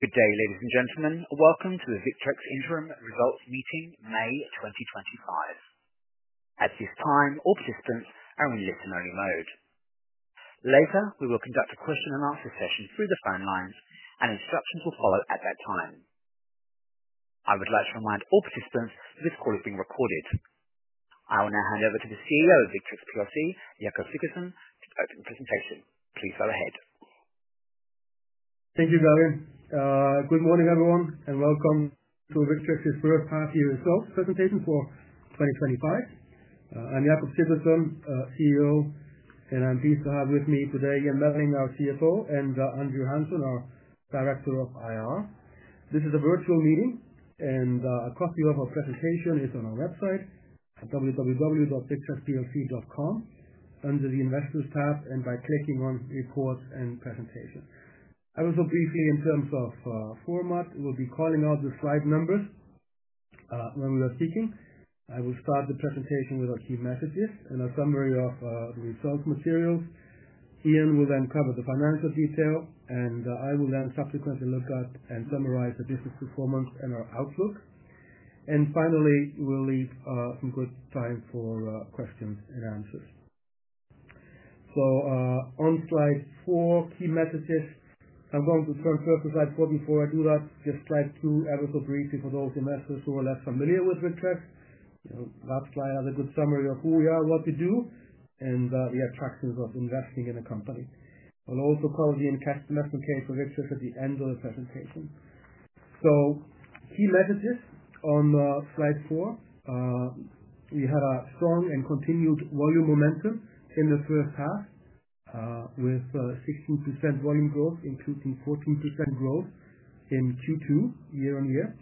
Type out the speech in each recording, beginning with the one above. Good day, ladies and gentlemen. Welcome to the Victrex Interim Results Meeting, May 2025. At this time, all participants are in listen-only mode. Later, we will conduct a question-and-answer session through the phone lines, and instructions will follow at that time. I would like to remind all participants that this call is being recorded. I will now hand over to the CEO of Victrex Plc, Jakob Sigurdsson, to open the presentation. Please go ahead. Thank you, Gary. Good morning, everyone, and welcome to Victrex's first half-year results presentation for 2025. I'm Jakob Sigurdsson, CEO, and I'm pleased to have with me today Ian Melling, our CFO, and Andrew Hanson, our Director of IR. This is a virtual meeting, and a copy of our presentation is on our website, www.victrexplc.com, under the Investors tab, and by clicking on Reports and Presentation. I will go briefly in terms of format. We'll be calling out the slide numbers when we are speaking. I will start the presentation with our key messages and a summary of the results materials. Ian will then cover the financial detail, and I will then subsequently look at and summarize the business performance and our outlook. Finally, we'll leave some good time for questions and answers. On slide four, key messages, I'm going to turn first to slide four. Before I do that, just slide two, ever so briefly, for those investors who are less familiar with Victrex. Last slide has a good summary of who we are, what we do, and the attractions of investing in a company. I'll also cover the investment case for Victrex at the end of the presentation. Key messages on slide four. We had a strong and continued volume momentum in the first half, with 16% volume growth, including 14% growth in Q2 year-on-year.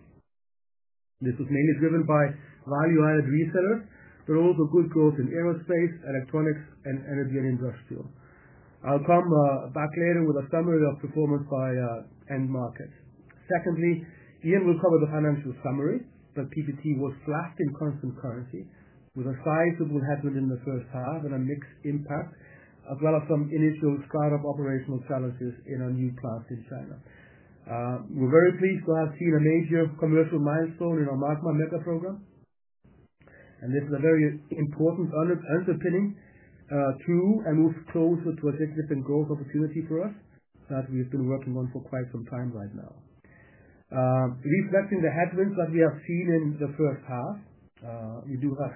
This was mainly driven by value-added resellers, but also good growth in aerospace, electronics, and energy and industrial. I'll come back later with a summary of performance by end markets. Secondly, Ian will cover the financial summary. The PPT was flat in constant currency, with a sizeable headwind in the first half and a mixed impact, as well as some initial startup operational challenges in our new plant in China. We're very pleased to have seen a major commercial milestone in our Magma program, and this is a very important underpinning to and moves closer to a significant growth opportunity for us that we've been working on for quite some time right now. Reflecting the headwinds that we have seen in the first half, we do have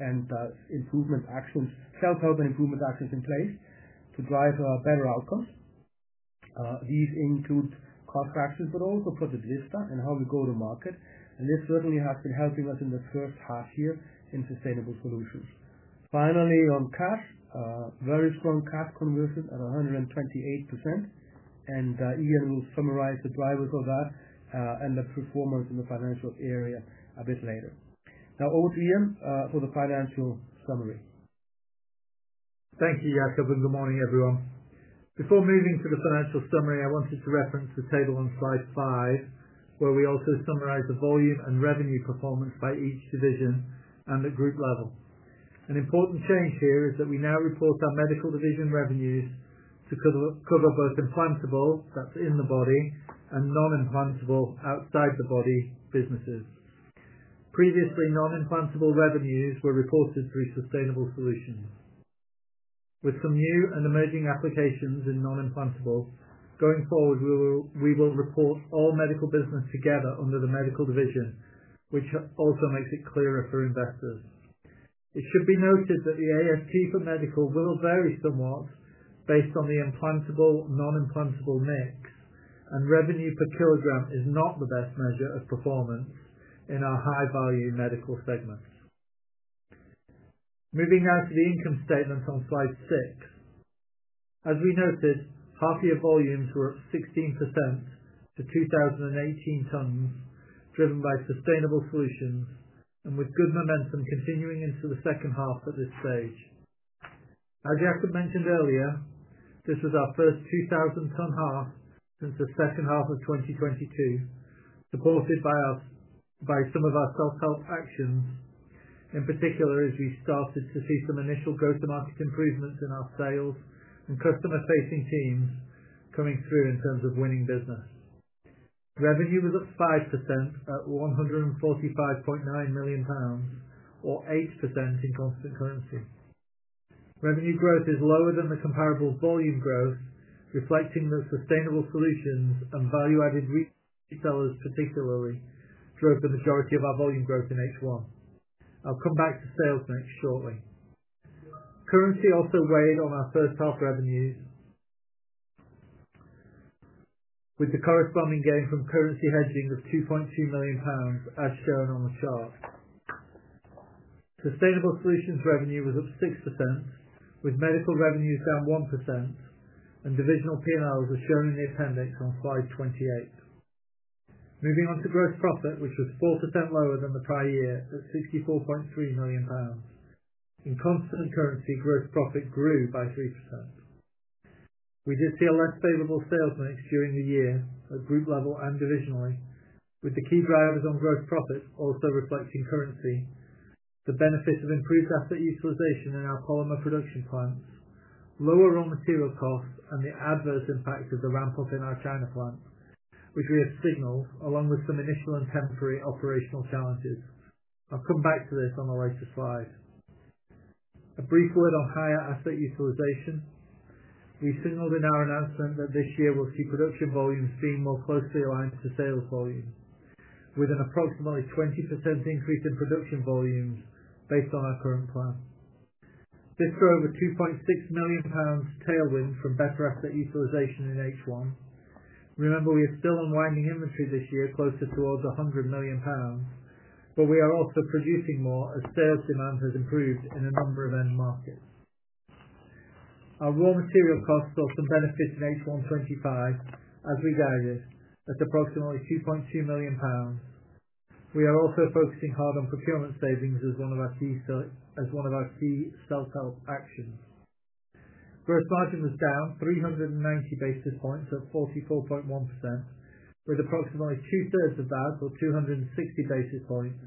help and improvement actions, self-help and improvement actions in place to drive better outcomes. These include cost fractions, but also project listing and how we go to market. This certainly has been helping us in the first half year in sustainable solutions. Finally, on cash, very strong cash conversion at 128%, and Ian will summarize the drivers of that and the performance in the financial area a bit later. Now over to Ian for the financial summary. Thank you, Jakob, and good morning, everyone. Before moving to the financial summary, I wanted to reference the table on slide five, where we also summarize the volume and revenue performance by each division and at group level. An important change here is that we now report our medical division revenues to cover both implantable—that is, in the body—and non-implantable, outside the body, businesses. Previously, non-implantable revenues were reported through sustainable solutions. With some new and emerging applications in non-implantable, going forward, we will report all medical business together under the medical division, which also makes it clearer for investors. It should be noted that the ASP for medical will vary somewhat based on the implantable/non-implantable mix, and revenue per kg is not the best measure of performance in our high-value medical segments. Moving now to the income statements on slide six. As we noted, half-year volumes were up 16% to 2,018 tons, driven by sustainable solutions and with good momentum continuing into the second half at this stage. As Jakob mentioned earlier, this was our first 2,000-ton half since the second half of 2022, supported by some of our self-help actions, in particular as we started to see some initial growth and market improvements in our sales and customer-facing teams coming through in terms of winning business. Revenue was up 5% at 145.9 million pounds, or 8% in constant currency. Revenue growth is lower than the comparable volume growth, reflecting that sustainable solutions and value-added resellers, particularly, drove the majority of our volume growth in H1. I'll come back to sales next shortly. Currency also weighed on our first half revenues, with the corresponding gain from currency hedging of 2.2 million pounds, as shown on the chart. Sustainable solutions revenue was up 6%, with medical revenues down 1%, and divisional P&Ls as shown in the appendix on slide 28. Moving on to gross profit, which was 4% lower than the prior year at 64.3 million pounds. In constant currency, gross profit grew by 3%. We did see a less favorable sales mix during the year, at group level and divisionally, with the key drivers on gross profit also reflecting currency, the benefit of improved asset utilization in our polymer production plants, lower raw material costs, and the adverse impact of the ramp-up in our China plant, which we have signaled along with some initial and temporary operational challenges. I'll come back to this on the latest slide. A brief word on higher asset utilization. We signaled in our announcement that this year we'll see production volumes being more closely aligned to sales volume, with an approximately 20% increase in production volumes based on our current plan. This drove a 2.6 million pounds tailwind from better asset utilization in H1. Remember, we are still unwinding inventory this year, closer towards 100 million pounds, but we are also producing more as sales demand has improved in a number of end markets. Our raw material costs saw some benefit in H1 2025, as we guided, at approximately 2.2 million pounds. We are also focusing hard on procurement savings as one of our key self-help actions. Gross margin was down 390 basis points at 44.1%, with approximately two-thirds of that, or 260 basis points,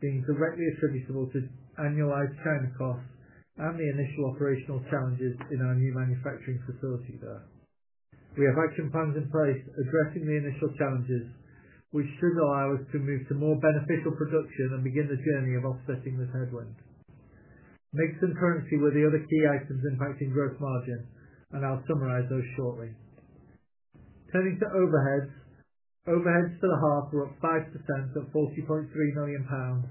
being directly attributable to annualized China costs and the initial operational challenges in our new manufacturing facility there. We have action plans in place addressing the initial challenges, which should allow us to move to more beneficial production and begin the journey of offsetting this headwind. Mix and currency were the other key items impacting gross margin, and I'll summarize those shortly. Turning to overheads, overheads for the half were up 5% at 40.3 million pounds,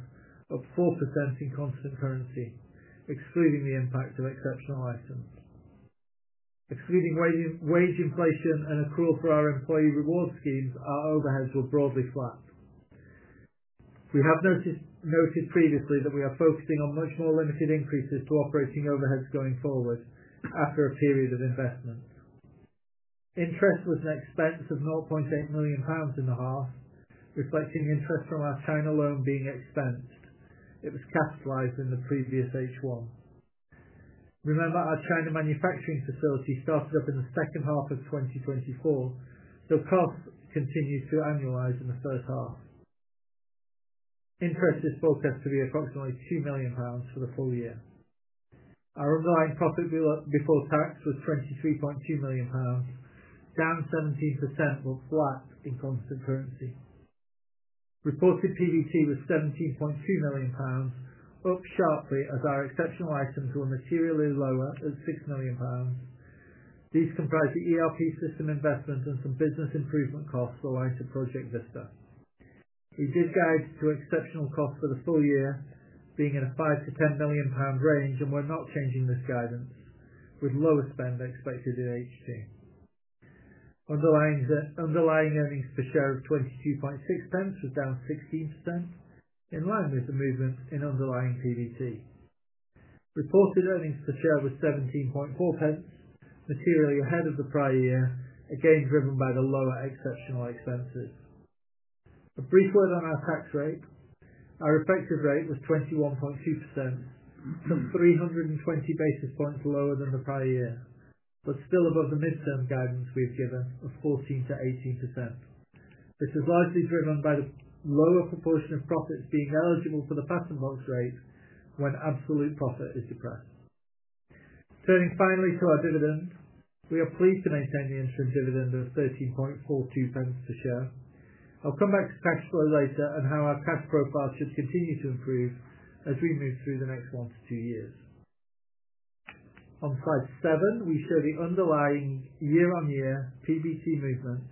up 4% in constant currency, excluding the impact of exceptional items. Excluding wage inflation and accrual for our employee rewards schemes, our overheads were broadly flat. We have noted previously that we are focusing on much more limited increases to operating overheads going forward after a period of investment. Interest was an expense of 0.8 million pounds in the half, reflecting interest from our China loan being expensed. It was capitalized in the previous H1. Remember, our China manufacturing facility started up in the second half of 2024, so costs continued to annualize in the first half. Interest is forecast to be approximately 2 million pounds for the full year. Our underlying profit before tax was 23.2 million pounds, down 17%, but flat in constant currency. Reported PBT was GBP 17.2 million, up sharply as our exceptional items were materially lower at 6 million pounds. These comprise the ERP system investment and some business improvement costs aligned to Project Vista. We did guide to exceptional costs for the full year, being in a 5 million-10 million pound range, and we're not changing this guidance, with lower spend expected in H2. Underlying earnings per share of 0.226 was down 16%, in line with the movement in underlying PBT. Reported earnings per share was 0.174, materially ahead of the prior year, again driven by the lower exceptional expenses. A brief word on our tax rate. Our effective rate was 21.2%, some 320 basis points lower than the prior year, but still above the midterm guidance we've given of 14%-18%. This is largely driven by the lower proportion of profits being eligible for the patent box rate when absolute profit is depressed. Turning finally to our dividend, we are pleased to maintain the interim dividend of 13.42 per share. I'll come back to cash flow later and how our cash profile should continue to improve as we move through the next one to two years. On slide seven, we show the underlying year-on-year PBT movements,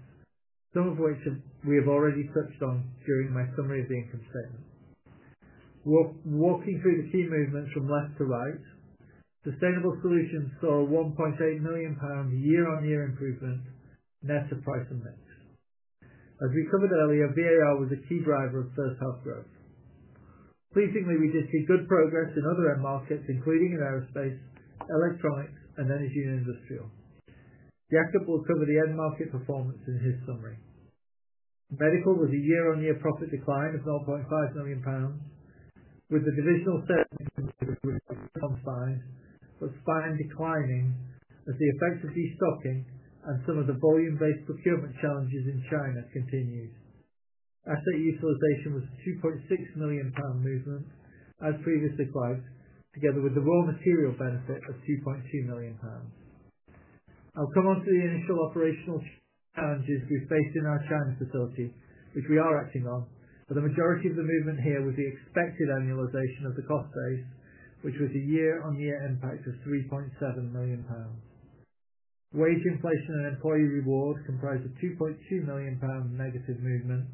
some of which we have already touched on during my summary of the income statement. Walking through the key movements from left to right, sustainable solutions saw a GBP 1.8 million year-on-year improvement net to price and mix. As we covered earlier, VAR was a key driver of first-half growth. Pleasingly, we did see good progress in other end markets, including in aerospace, electronics, and energy and industrial. Jakob will cover the end market performance in his summary. Medical was a year-on-year profit decline of 0.5 million pounds, with the divisional sales movement, which was confined, but spine declining as the effect of restocking and some of the volume-based procurement challenges in China continued. Asset utilization was a 2.6 million pound movement, as previously quoted, together with the raw material benefit of 2.2 million pounds. I'll come on to the initial operational challenges we faced in our China facility, which we are acting on, but the majority of the movement here was the expected annualization of the cost base, which was a year-on-year impact of 3.7 million pounds. Wage inflation and employee reward comprised a 2.2 million pounds negative movement.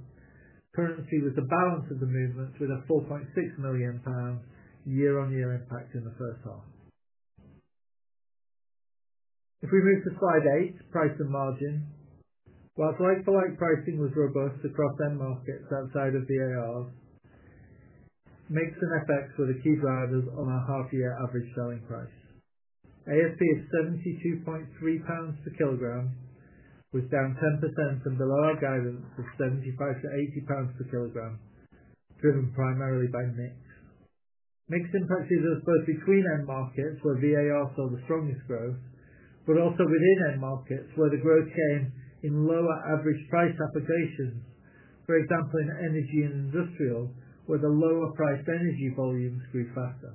Currency was the balance of the movement, with a 4.6 million pounds year-on-year impact in the first half. If we move to slide eight, price and margin. While like-for-like pricing was robust across end markets outside of VARs, mix and FX were the key drivers on our half-year average selling price. ASP is 72.3 pounds per kg, was down 10% and below our guidance of 75-80 pounds per kg, driven primarily by mix. Mix impact is both between end markets, where VAR saw the strongest growth, but also within end markets, where the growth came in lower average price applications, for example, in energy and industrial, where the lower-priced energy volumes grew faster.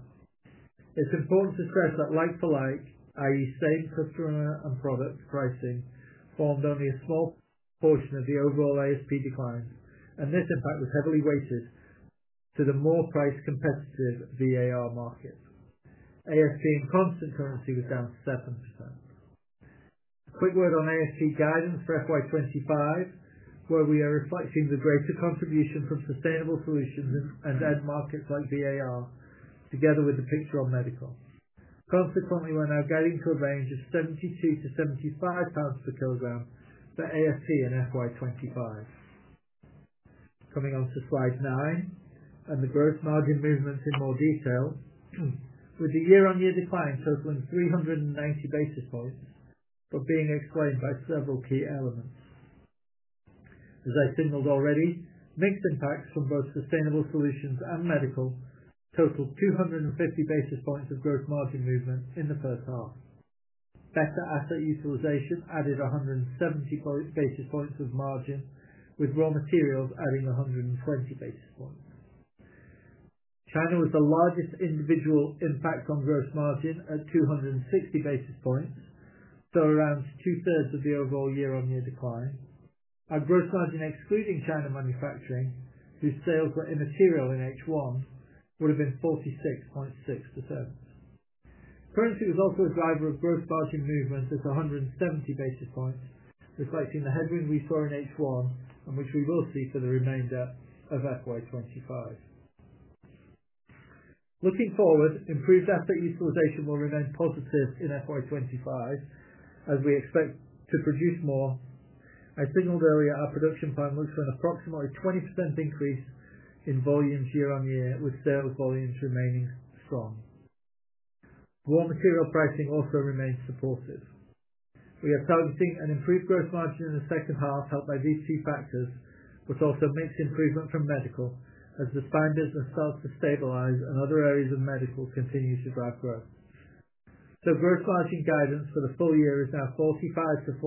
It's important to stress that like-for-like, i.e., same customer and product pricing, formed only a small portion of the overall ASP decline, and this impact was heavily weighted to the more price-competitive VAR market. ASP in constant currency was down 7%. A quick word on ASP guidance for FY25, where we are reflecting the greater contribution from sustainable solutions and end markets like VAR, together with the picture on medical. Consequently, we're now guiding to a range of 72-75 pounds per kg for ASP in FY25. Coming on to slide nine and the gross margin movements in more detail, with the year-on-year decline totaling 390 basis points, but being explained by several key elements. As I signaled already, mixed impacts from both sustainable solutions and medical totaled 250 basis points of gross margin movement in the first half. Better asset utilization added 170 basis points of margin, with raw materials adding 120 basis points. China was the largest individual impact on gross margin at 260 basis points, so around two-thirds of the overall year-on-year decline. Our gross margin excluding China manufacturing, whose sales were immaterial in H1, would have been 46.6%. Currency was also a driver of gross margin movement at 170 basis points, reflecting the headwind we saw in H1 and which we will see for the remainder of FY25. Looking forward, improved asset utilization will remain positive in FY25 as we expect to produce more. I signaled earlier our production plan looks for an approximately 20% increase in volumes year-on-year, with sales volumes remaining strong. Raw material pricing also remains supportive. We are targeting an improved gross margin in the second half, helped by these two factors, but also mixed improvement from medical as the spine business starts to stabilize and other areas of medical continue to drive growth. Gross margin guidance for the full year is now 45%-47%,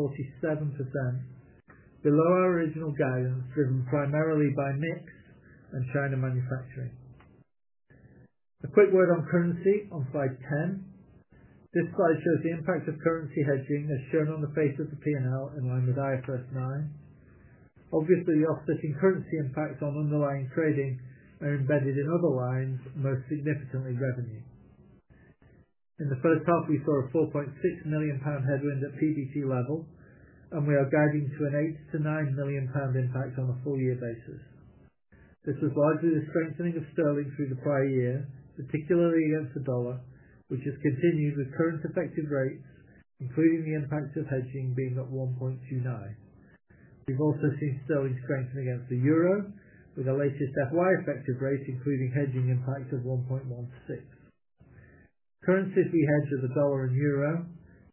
below our original guidance driven primarily by mix and China manufacturing. A quick word on currency on slide ten. This slide shows the impact of currency hedging as shown on the face of the P&L in line with IFS 9. Obviously, the offsetting currency impacts on underlying trading are embedded in other lines, most significantly revenue. In the first half, we saw a 4.6 million pound headwind at PBT level, and we are guiding to a 8 million-9 million pound impact on a full-year basis. This was largely the strengthening of Sterling through the prior year, particularly against the dollar, which has continued with current effective rates, including the impact of hedging being at 1.29. We have also seen Sterling strengthen against the Euro, with the latest FY effective rate, including hedging impact of 1.16. Currencies we hedge are the dollar and Euro,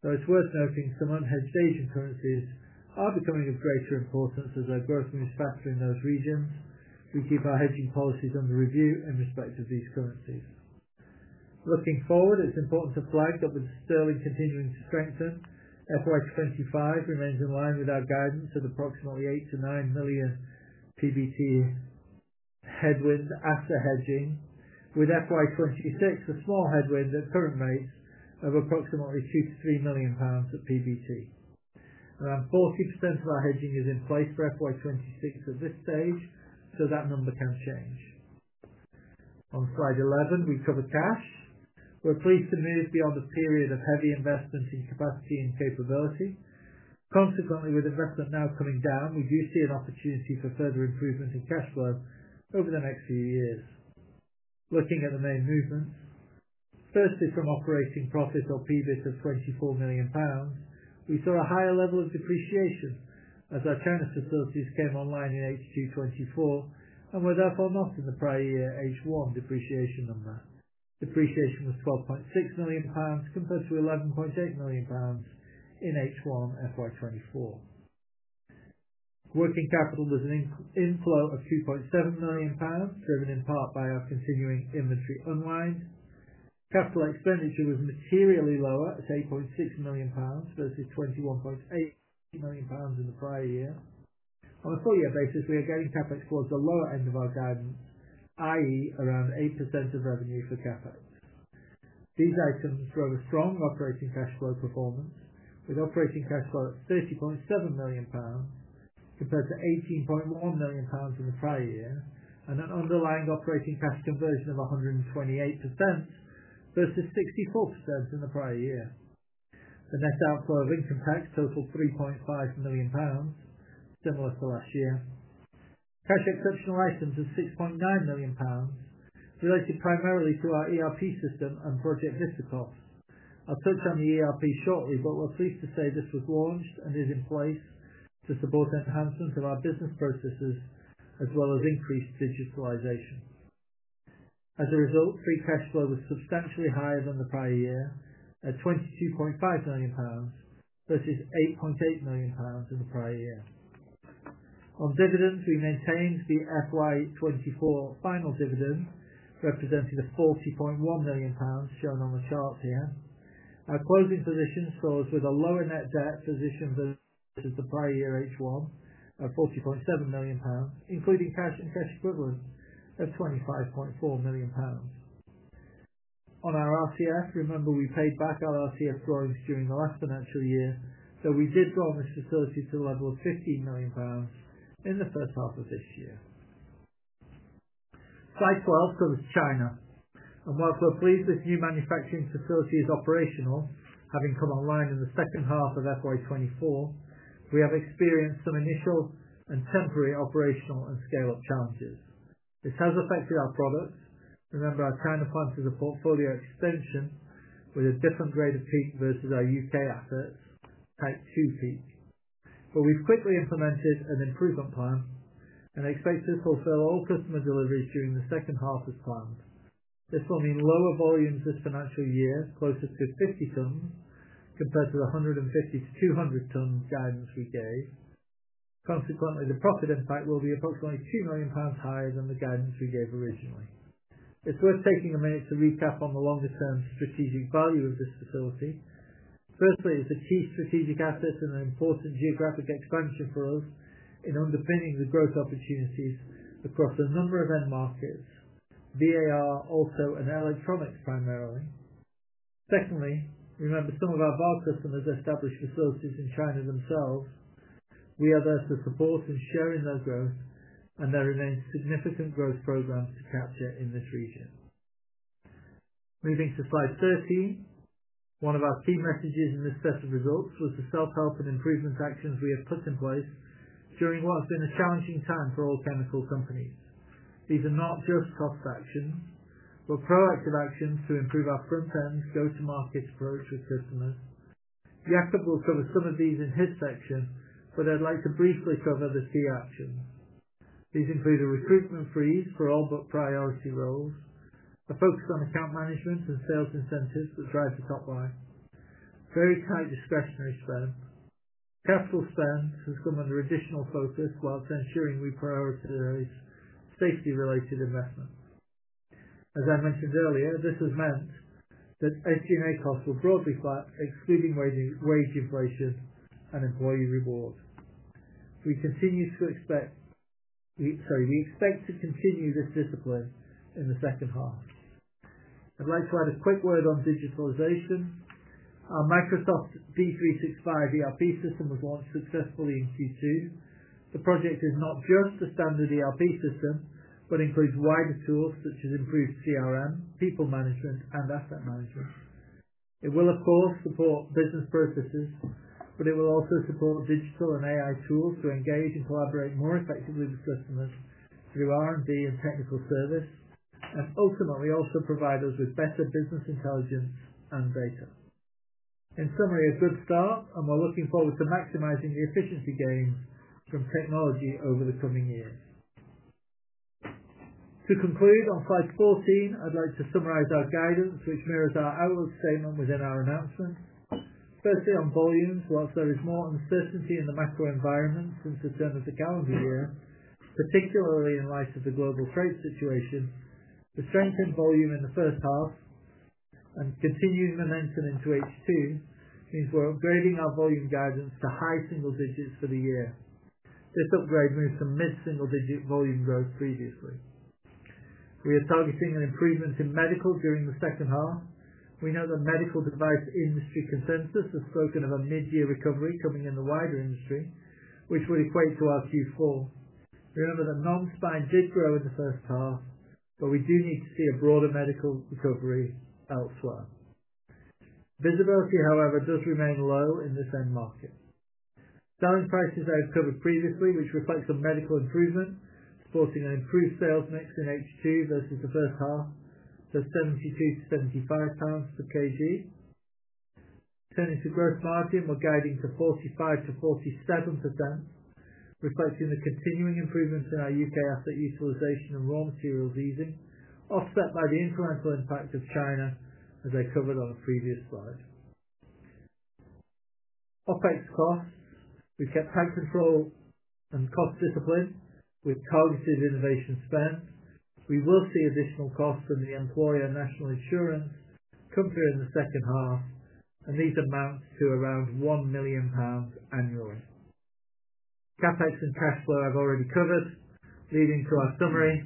though it's worth noting some unhedged Asian currencies are becoming of greater importance as our growth moves faster in those regions. We keep our hedging policies under review in respect of these currencies. Looking forward, it's important to flag that with Sterling continuing to strengthen, FY2025 remains in line with our guidance at approximately 8 million-9 million PBT headwind after hedging, with FY2026 a small headwind at current rates of approximately 2 million-3 million pounds at PBT. Around 40% of our hedging is in place for FY2026 at this stage, so that number can change. On slide 11, we cover cash. We're pleased to move beyond a period of heavy investment in capacity and capability. Consequently, with investment now coming down, we do see an opportunity for further improvement in cash flow over the next few years. Looking at the main movements, firstly from operating profit or PBIT of 24 million pounds, we saw a higher level of depreciation as our China facilities came online in H2 2024 and were therefore not in the prior year H1 depreciation number. Depreciation was 12.6 million pounds compared to 11.8 million pounds in H1 FY 2024. Working capital was an inflow of 2.7 million pounds, driven in part by our continuing inventory unwind. Capital expenditure was materially lower at 8.6 million pounds versus 21.8 million pounds in the prior year. On a full-year basis, we are getting CapEx towards the lower end of our guidance, i.e., around 8% of revenue for CapEx. These items drove a strong operating cash flow performance, with operating cash flow at 30.7 million pounds compared to 18.1 million pounds in the prior year and an underlying operating cash conversion of 128% versus 64% in the prior year. The net outflow of income tax totaled 3.5 million pounds, similar to last year. Cash exceptional items of 6.9 million pounds, related primarily to our ERP system and Project Vista costs. I'll touch on the ERP shortly, but we're pleased to say this was launched and is in place to support enhancements of our business processes as well as increased digitalization. As a result, free cash flow was substantially higher than the prior year at 22.5 million pounds versus 8.8 million pounds in the prior year. On dividends, we maintained the FY24 final dividend, representing the 40.1 million pounds shown on the chart here. Our closing position saw us with a lower net debt position than the prior year H1 of 40.7 million pounds, including cash and cash equivalent of 25.4 million pounds. On our RCF, remember we paid back our RCF drawings during the last financial year, so we did draw on this facility to the level of 15 million pounds in the first half of this year. Slide 12 covers China. While we're pleased this new manufacturing facility is operational, having come online in the second half of FY 2024, we have experienced some initial and temporary operational and scale-up challenges. This has affected our products. Remember, our China plan is a portfolio extension with a different grade of PEEK versus our U.K. assets, Type 2 PEEK. We have quickly implemented an improvement plan, and expect to fulfill all customer deliveries during the second half as planned. This will mean lower volumes this financial year, closer to 50 tons compared to the 150-200 tons guidance we gave. Consequently, the profit impact will be approximately 2 million pounds higher than the guidance we gave originally. It's worth taking a minute to recap on the longer-term strategic value of this facility. Firstly, it's a key strategic asset and an important geographic expansion for us in underpinning the growth opportunities across a number of end markets, VAR, also in electronics primarily. Secondly, remember some of our VAR customers established facilities in China themselves. We are there to support and share in their growth, and there remain significant growth programs to capture in this region. Moving to slide 13, one of our key messages in this set of results was the self-help and improvement actions we have put in place during what has been a challenging time for all chemical companies. These are not just cost actions, but proactive actions to improve our front-end go-to-market approach with customers. Jakob will cover some of these in his section, but I'd like to briefly cover the key actions. These include a recruitment freeze for all but priority roles, a focus on account management and sales incentives that drive the top line, very tight discretionary spend, capital spend has come under additional focus whilst ensuring we prioritize safety-related investments. As I mentioned earlier, this has meant that H&A costs were broadly flat, excluding wage inflation and employee reward. We continue to expect—sorry, we expect to continue this discipline in the second half. I'd like to add a quick word on digitalization. Our Microsoft D365 ERP system was launched successfully in Q2. The project is not just a standard ERP system, but includes wider tools such as improved CRM, people management, and asset management. It will, of course, support business processes, but it will also support digital and AI tools to engage and collaborate more effectively with customers through R&D and technical service, and ultimately also provide us with better business intelligence and data. In summary, a good start, and we are looking forward to maximizing the efficiency gains from technology over the coming years. To conclude, on slide 14, I would like to summarize our guidance, which mirrors our outlook statement within our announcement. Firstly, on volumes, whilst there is more uncertainty in the macro environment since the turn of the calendar year, particularly in light of the global trade situation, the strength in volume in the first half and continuing momentum into H2 means we are upgrading our volume guidance to high single digits for the year. This upgrade moves from mid-single digit volume growth previously. We are targeting an improvement in medical during the second half. We know the medical device industry consensus has spoken of a mid-year recovery coming in the wider industry, which would equate to our Q4. Remember that non-spine did grow in the first half, but we do need to see a broader medical recovery elsewhere. Visibility, however, does remain low in this end market. Selling prices I've covered previously, which reflects a medical improvement, sporting an improved sales mix in H2 versus the first half, so 72-75 pounds per kg. Turning to gross margin, we're guiding to 45%-47%, reflecting the continuing improvements in our U.K. asset utilization and raw materials easing, offset by the incremental impact of China, as I covered on a previous slide. OpEx costs, we've kept tight control and cost discipline with targeted innovation spend. We will see additional costs from the employer and national insurance come through in the second half, and these amount to around 1 million pounds annually. CapEx and cash flow I have already covered, leading to our summary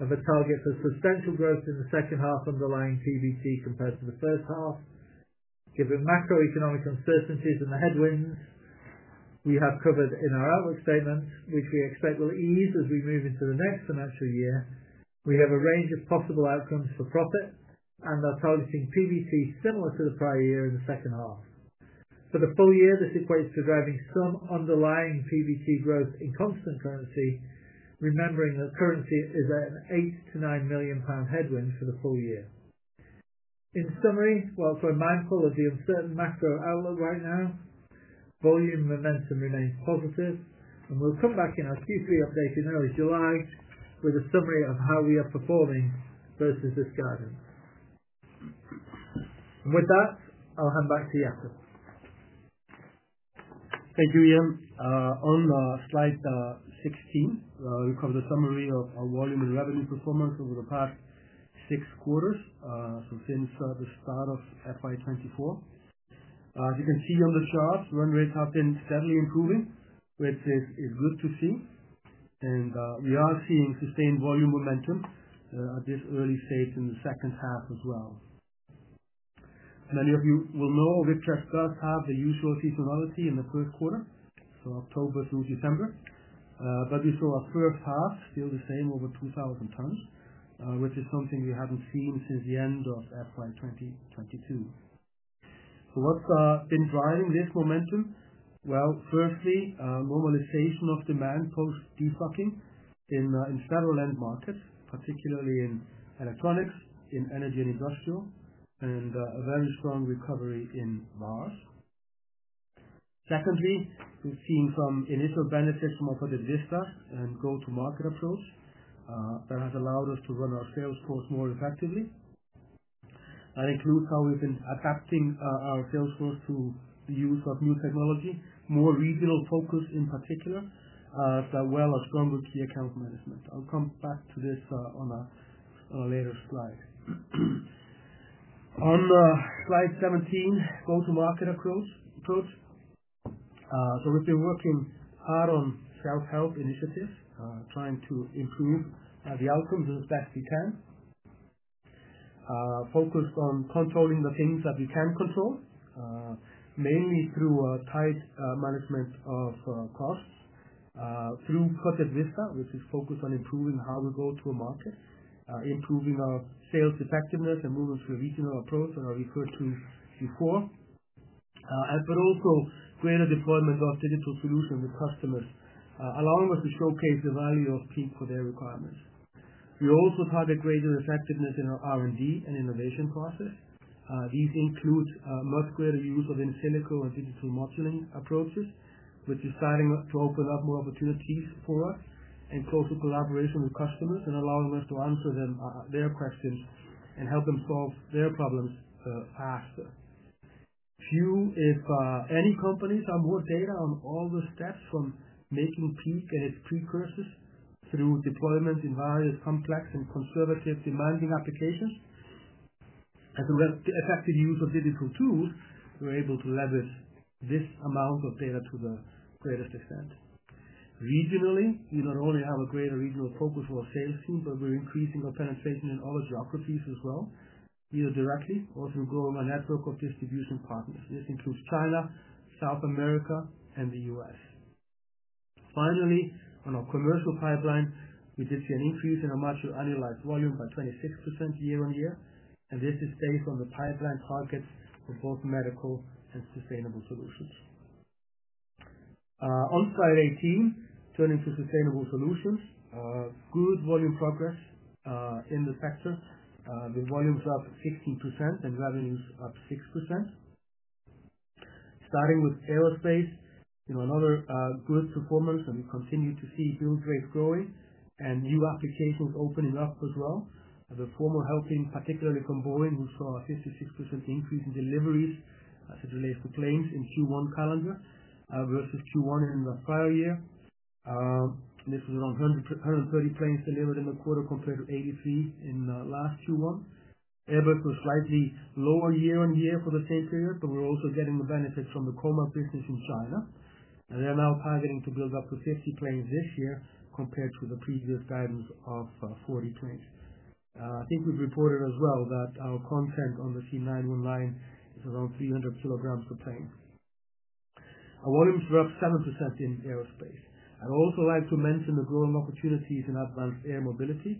of a target for substantial growth in the second half underlying PBT compared to the first half. Given macroeconomic uncertainties and the headwinds we have covered in our outlook statement, which we expect will ease as we move into the next financial year, we have a range of possible outcomes for profit, and are targeting PBT similar to the prior year in the second half. For the full year, this equates to driving some underlying PBT growth in constant currency, remembering that currency is at a 8 million-9 million pound headwind for the full year. In summary, whilst we're mindful of the uncertain macro outlook right now, volume momentum remains positive, and we will come back in our Q3 update in early July with a summary of how we are performing versus this guidance. With that, I'll hand back to Jakob. Thank you, Ian. On slide 16, we covered a summary of our volume and revenue performance over the past six quarters, so since the start of FY2024. As you can see on the chart, run rates have been steadily improving, which is good to see. We are seeing sustained volume momentum at this early stage in the second half as well. Many of you will know Victrex does have the usual seasonality in the first quarter, so October through December, but we saw our first half still the same over 2,000 tons, which is something we have not seen since the end of FY2022. What has been driving this momentum? Firstly, normalization of demand post-destocking in several end markets, particularly in electronics, in energy and industrial, and a very strong recovery in VAR. Secondly, we've seen some initial benefits from Project Vista and go-to-market approach that has allowed us to run our sales force more effectively. That includes how we've been adapting our sales force to the use of new technology, more regional focus in particular, as well as stronger key account management. I'll come back to this on a later slide. On slide 17, go-to-market approach. We've been working hard on self-help initiatives, trying to improve the outcomes as best we can, focused on controlling the things that we can control, mainly through tight management of costs, through Project Vista, which is focused on improving how we go to market, improving our sales effectiveness and moving to a regional approach that I referred to before, but also greater deployment of digital solutions with customers, allowing us to showcase the value of PEEK for their requirements. We also target greater effectiveness in our R&D and innovation process. These include much greater use of in silico and digital modeling approaches, which is starting to open up more opportunities for us and closer collaboration with customers and allowing us to answer their questions and help them solve their problems faster. Few, if any, companies have more data on all the steps from making PEEK and its precursors through deployment in various complex and conservative demanding applications. Through effective use of digital tools, we're able to leverage this amount of data to the greatest extent. Regionally, we not only have a greater regional focus for our sales team, but we're increasing our penetration in other geographies as well, either directly or through growing our network of distribution partners. This includes China, South America, and the U.S. Finally, on our commercial pipeline, we did see an increase in our marginal annualized volume by 26% year on year, and this is based on the pipeline targets for both medical and sustainable solutions. On slide 18, turning to sustainable solutions, good volume progress in the sector with volumes up 16% and revenues up 6%. Starting with aerospace, another good performance, and we continue to see hill grade growing and new applications opening up as well. The former helping, particularly from Boeing, who saw a 56% increase in deliveries as it relates to planes in Q1 calendar versus Q1 in the prior year. This was around 130 planes delivered in the quarter compared to 83 in the last Q1. Airbus was slightly lower year on year for the same period, but we're also getting the benefits from the Comac business in China, and they're now targeting to build up to 50 planes this year compared to the previous guidance of 40 planes. I think we've reported as well that our content on the C919 line is around 300 kg per plane. Our volumes were up 7% in aerospace. I'd also like to mention the growing opportunities in advanced air mobility,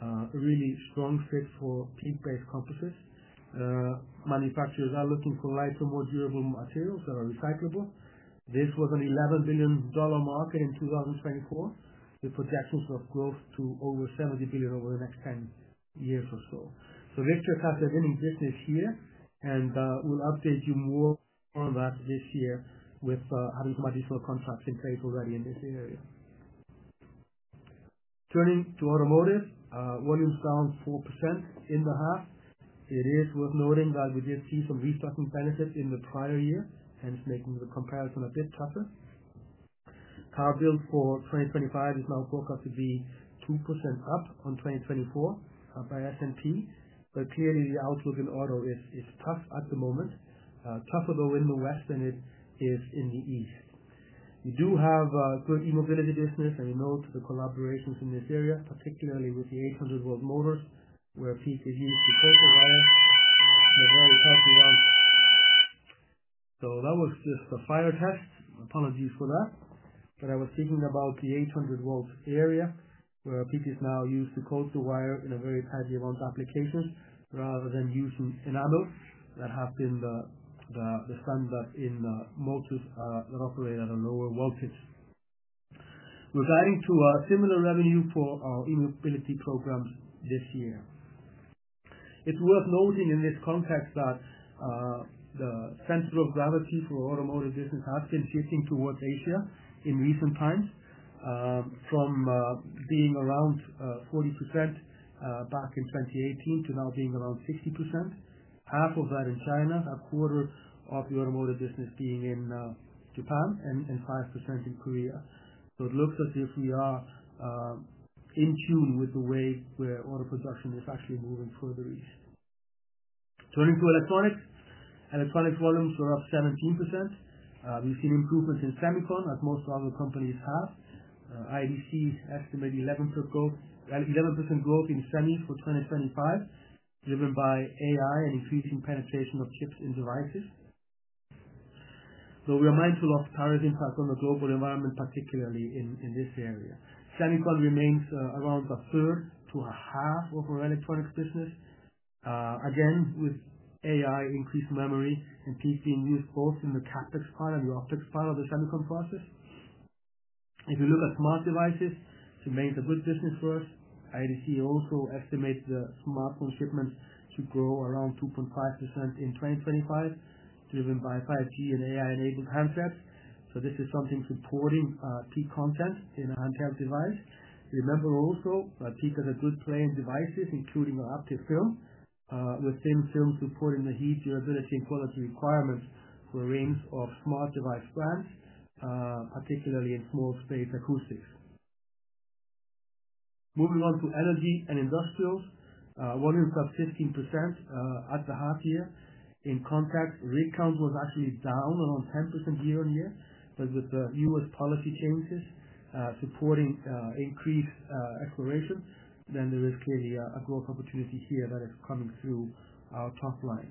a really strong fit for PEEK-based composites. Manufacturers are looking for lighter, more durable materials that are recyclable. This was an $11 billion market in 2024 with projections of growth to over $70 billion over the next 10 years or so. Victrex has a winning business here, and we'll update you more on that this year with having some additional contracts in place already in this area. Turning to automotive, volumes down 4% in the half. It is worth noting that we did see some reflecting benefits in the prior year, hence making the comparison a bit tougher. Car build for 2025 is now forecast to be 2% up on 2024 by S&P, but clearly the outlook in auto is tough at the moment, tougher though in the west than it is in the east. We do have a good e-mobility business, and we note the collaborations in this area, particularly with the 800-volt motors where PEEK is used to coat the wire in a very tightly wound. That was just a fire test. Apologies for that. I was speaking about the 800-volt area where PEEK is now used to coat the wire in very tightly wound applications rather than using enamels that have been the standard in motors that operate at a lower voltage. We're guiding to a similar revenue for our e-mobility programs this year. It's worth noting in this context that the center of gravity for automotive business has been shifting towards Asia in recent times, from being around 40% back in 2018 to now being around 60%, half of that in China, a quarter of the automotive business being in Japan, and 5% in Korea. It looks as if we are in tune with the way where auto production is actually moving further east. Turning to electronics, electronics volumes were up 17%. We've seen improvements in semiconductors, as most other companies have. IDC estimated 11% growth in semi for 2025, driven by AI and increasing penetration of chips in devices. Though we are mindful of Paris impact on the global environment, particularly in this area. Semiconductor remains around a third to a half of our electronics business, again with AI, increased memory, and PEEK being used both in the CapEx part and the OpEx part of the semiconductor process. If you look at smart devices, it remains a good business for us. IDC also estimates the smartphone shipments to grow around 2.5% in 2025, driven by 5G and AI-enabled handhelds. This is something supporting PEEK content in a handheld device. Remember also that PEEK has a good play in devices, including adaptive film, with thin films supporting the heat, durability, and quality requirements for a range of smart device brands, particularly in small space acoustics. Moving on to energy and industrials, volumes are 15% at the half year. In contact, rig count was actually down around 10% year on year, but with the U.S. policy changes supporting increased exploration, then there is clearly a growth opportunity here that is coming through our top line.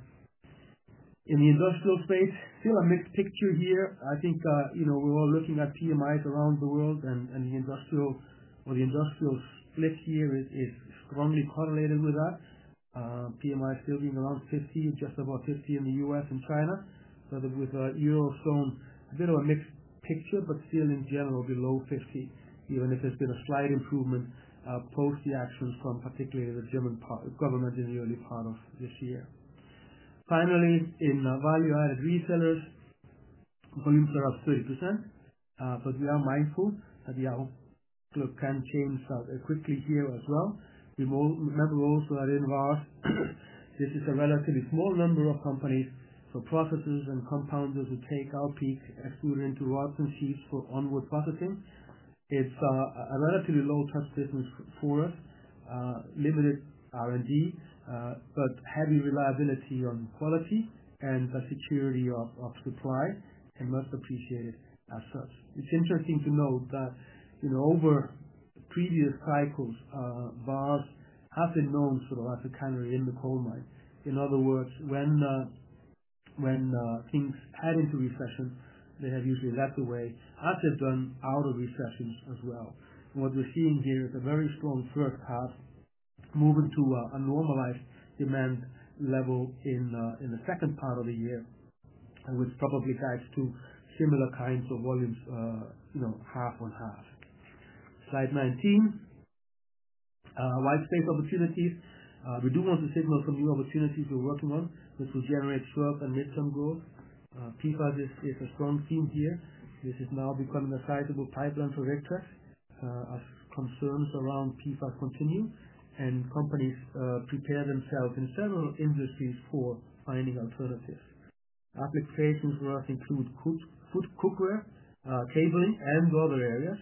In the industrial space, still a mixed picture here. I think we're all looking at PMIs around the world, and the industrial split here is strongly correlated with that. PMI is still being around 50, just above 50 in the U.S. and China, but with Eurozone, a bit of a mixed picture, but still in general below 50, even if there's been a slight improvement post the actions from particularly the German government in the early part of this year. Finally, in value-added resellers, volumes are up 30%, but we are mindful that the outlook can change quickly here as well. Remember also that in VAR, this is a relatively small number of companies for processors and compounders who take our PEEK, extrude it into rods and sheets for onward processing. It's a relatively low-touch business for us, limited R&D, but heavy reliability on quality and the security of supply, and most appreciated as such. It's interesting to note that over previous cycles, VARs have been known sort of as a canary in the coal mine. In other words, when things head into recession, they have usually led the way, as they've done out of recessions as well. What we're seeing here is a very strong first half moving to a normalized demand level in the second part of the year, which probably guides to similar kinds of volumes, half on half. Slide 19, white space opportunities. We do want to signal some new opportunities we're working on, which will generate short and midterm growth. PFAS is a strong theme here. This is now becoming a sizable pipeline for Victrex. As concerns around PFAS continue, and companies prepare themselves in several industries for finding alternatives. Applications for us include food cookware, cabling, and other areas.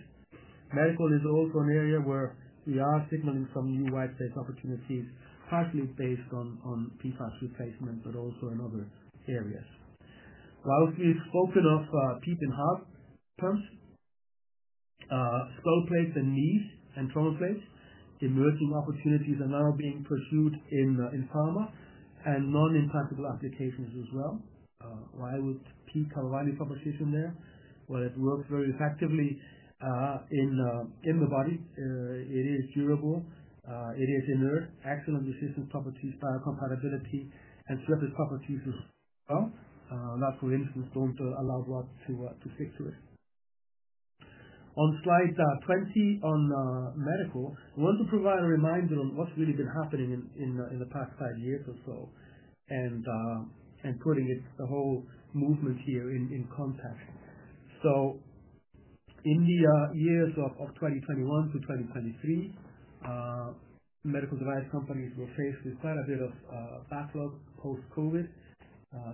Medical is also an area where we are signaling some new white space opportunities, partially based on PFAS replacement, but also in other areas. Whilst we've spoken of PEEK in heart terms, skull plates and knees and trunk plates, emerging opportunities are now being pursued in pharma and non-implantable applications as well. Why would PEEK have a value proposition there? It works very effectively in the body. It is durable. It is inert, excellent resistance properties, biocompatibility, and surface properties as well. That, for instance, do not allow blood to stick to it. On slide 20, on medical, I want to provide a reminder on what has really been happening in the past five years or so, and putting the whole movement here in context. In the years of 2021-2023, medical device companies were faced with quite a bit of backlog post-COVID.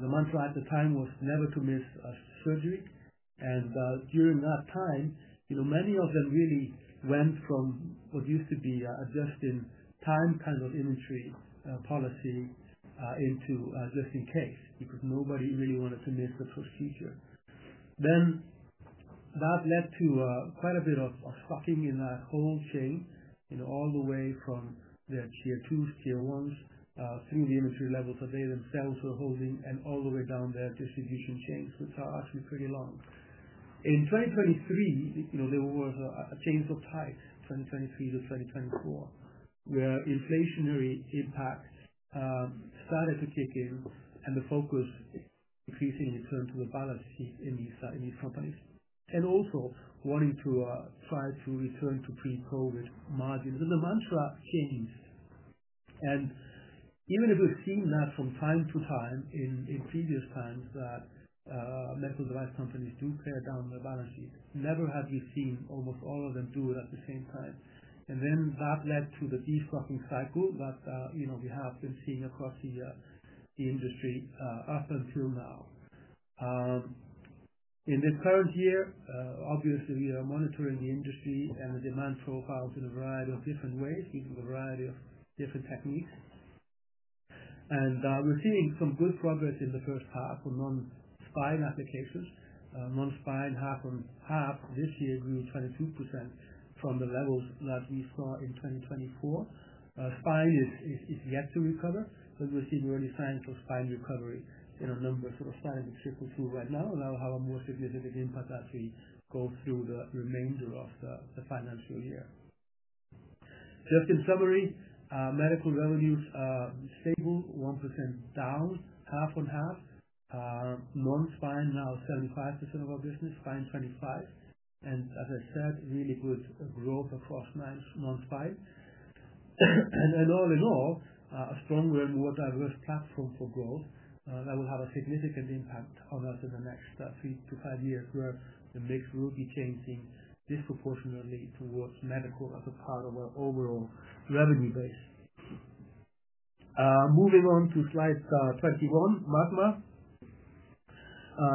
The mantra at the time was never to miss a surgery. During that time, many of them really went from what used to be a just-in-time kind of inventory policy into just-in-case because nobody really wanted to miss the procedure. That led to quite a bit of stocking in that whole chain, all the way from their tier twos, tier ones, through the inventory levels that they themselves were holding, and all the way down their distribution chains, which are actually pretty long. In 2023, there was a change of tide from 2023-2024, where inflationary impact started to kick in, and the focus increasingly turned to the balance sheet in these companies. Also wanting to try to return to pre-COVID margins. The mantra changed. Even if we've seen that from time to time in previous times that medical device companies do pare down their balance sheet, never have we seen almost all of them do it at the same time. That led to the destocking cycle that we have been seeing across the industry up until now. In this current year, obviously, we are monitoring the industry and the demand profiles in a variety of different ways using a variety of different techniques. We're seeing some good progress in the first half on non-spine applications. Non-spine half on half this year grew 22% from the levels that we saw in 2024. Spine is yet to recover, but we're seeing early signs of spine recovery in a number of sort of starting to trickle through right now, and that will have a more significant impact as we go through the remainder of the financial year. Just in summary, medical revenues are stable, 1% down, half on half. Non-spine now 75% of our business, spine 25%. As I said, really good growth across non-spine. All in all, a stronger and more diverse platform for growth that will have a significant impact on us in the next three to five years where the mix will be changing disproportionately towards medical as a part of our overall revenue base. Moving on to slide 21, Magma.